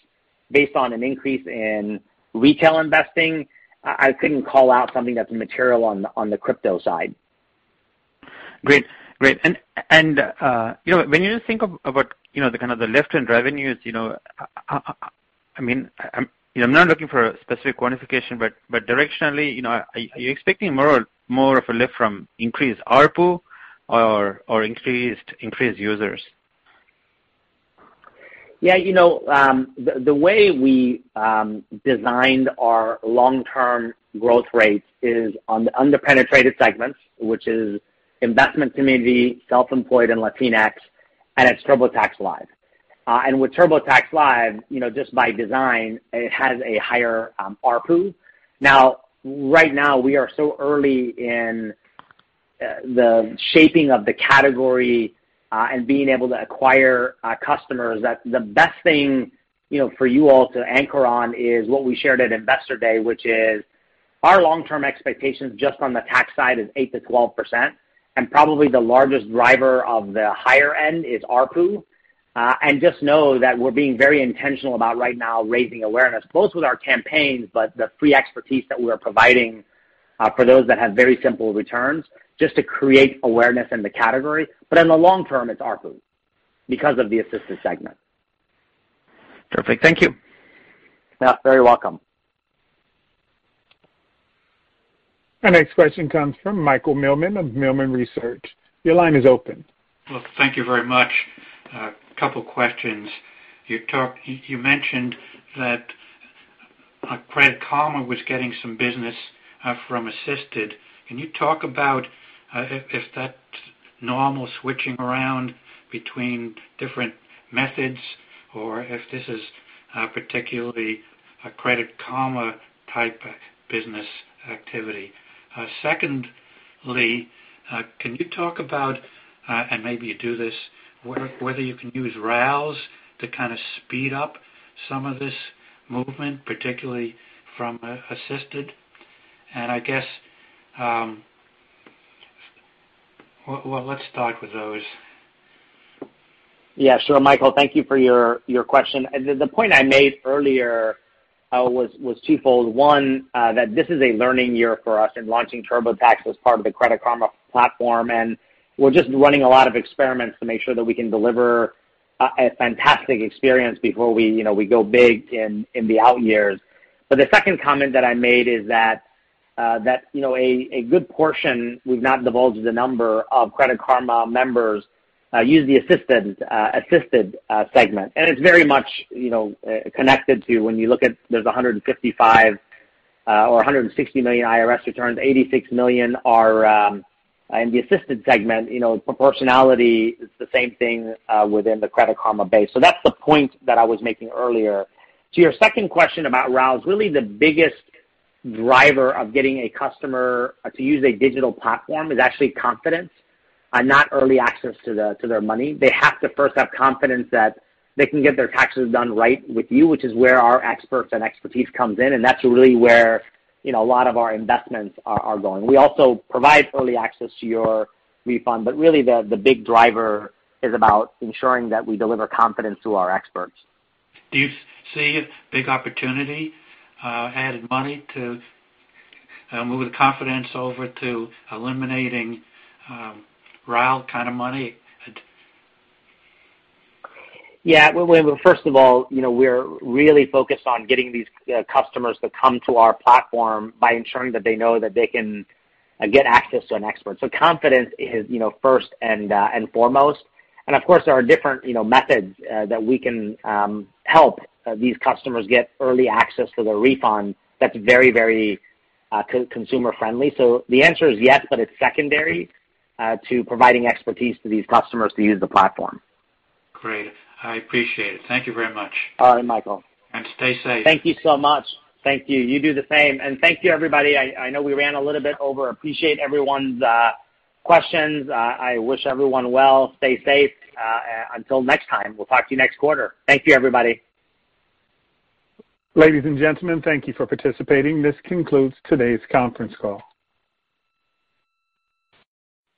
based on an increase in retail investing. I couldn't call out something that's material on the crypto side. Great. When you just think about the kind of the lift in revenues, I'm not looking for a specific quantification, but directionally, are you expecting more of a lift from increased ARPU or increased users? The way we designed our long-term growth rates is on the under-penetrated segments, which is investment community, Self-Employed, and Latinx. It's TurboTax Live. With TurboTax Live, just by design, it has a higher ARPU. Now, right now, we are so early in the shaping of the category and being able to acquire customers that the best thing for you all to anchor on is what we shared at Investor Day, which is our long-term expectations just on the tax side is 8%-12%. Probably the largest driver of the higher end is ARPU. Just know that we're being very intentional about right now raising awareness, both with our campaigns, but the free expertise that we're providing for those that have very simple returns, just to create awareness in the category. In the long term, it's ARPU because of the assisted segment. Perfect. Thank you. Yeah. You're very welcome. Our next question comes from Michael Millman of Millman Research. Your line is open. Well, thank you very much. A couple of questions. You mentioned that Credit Karma was getting some business from Assisted. Can you talk about if that's normal switching around between different methods, or if this is particularly a Credit Karma type business activity? Secondly, can you talk about, and maybe you do this, whether you can use RALs to kind of speed up some of this movement, particularly from Assisted? I guess, well, let's start with those. Yeah, sure. Michael, thank you for your question. The point I made earlier was twofold. One, that this is a learning year for us in launching TurboTax as part of the Credit Karma platform. We're just running a lot of experiments to make sure that we can deliver a fantastic experience before we go big in the out years. The second comment that I made is that a good portion, we've not divulged the number, of Credit Karma members use the Assisted segment. It's very much connected to when you look at there's 155 or 160 million IRS returns, 86 million are in the Assisted segment. Proportionality is the same thing within the Credit Karma base. That's the point that I was making earlier. To your second question about RALs, really the biggest driver of getting a customer to use a digital platform is actually confidence and not early access to their money. They have to first have confidence that they can get their taxes done right with you, which is where our experts and expertise comes in, and that's really where a lot of our investments are going. We also provide early access to your refund, but really the big driver is about ensuring that we deliver confidence through our experts. Do you see a big opportunity, added money to move the confidence over to eliminating RAL kind of money? Yeah. Well, first of all, we're really focused on getting these customers to come to our platform by ensuring that they know that they can get access to an expert. Confidence is first and foremost. Of course, there are different methods that we can help these customers get early access to their refund that's very consumer-friendly. The answer is yes, but it's secondary to providing expertise to these customers to use the platform. Great. I appreciate it. Thank you very much. All right, Michael. Stay safe. Thank you so much. Thank you. You do the same. Thank you, everybody. I know we ran a little bit over. Appreciate everyone's questions. I wish everyone well. Stay safe. Until next time. We'll talk to you next quarter. Thank you, everybody. Ladies and gentlemen, thank you for participating. This concludes today's conference call.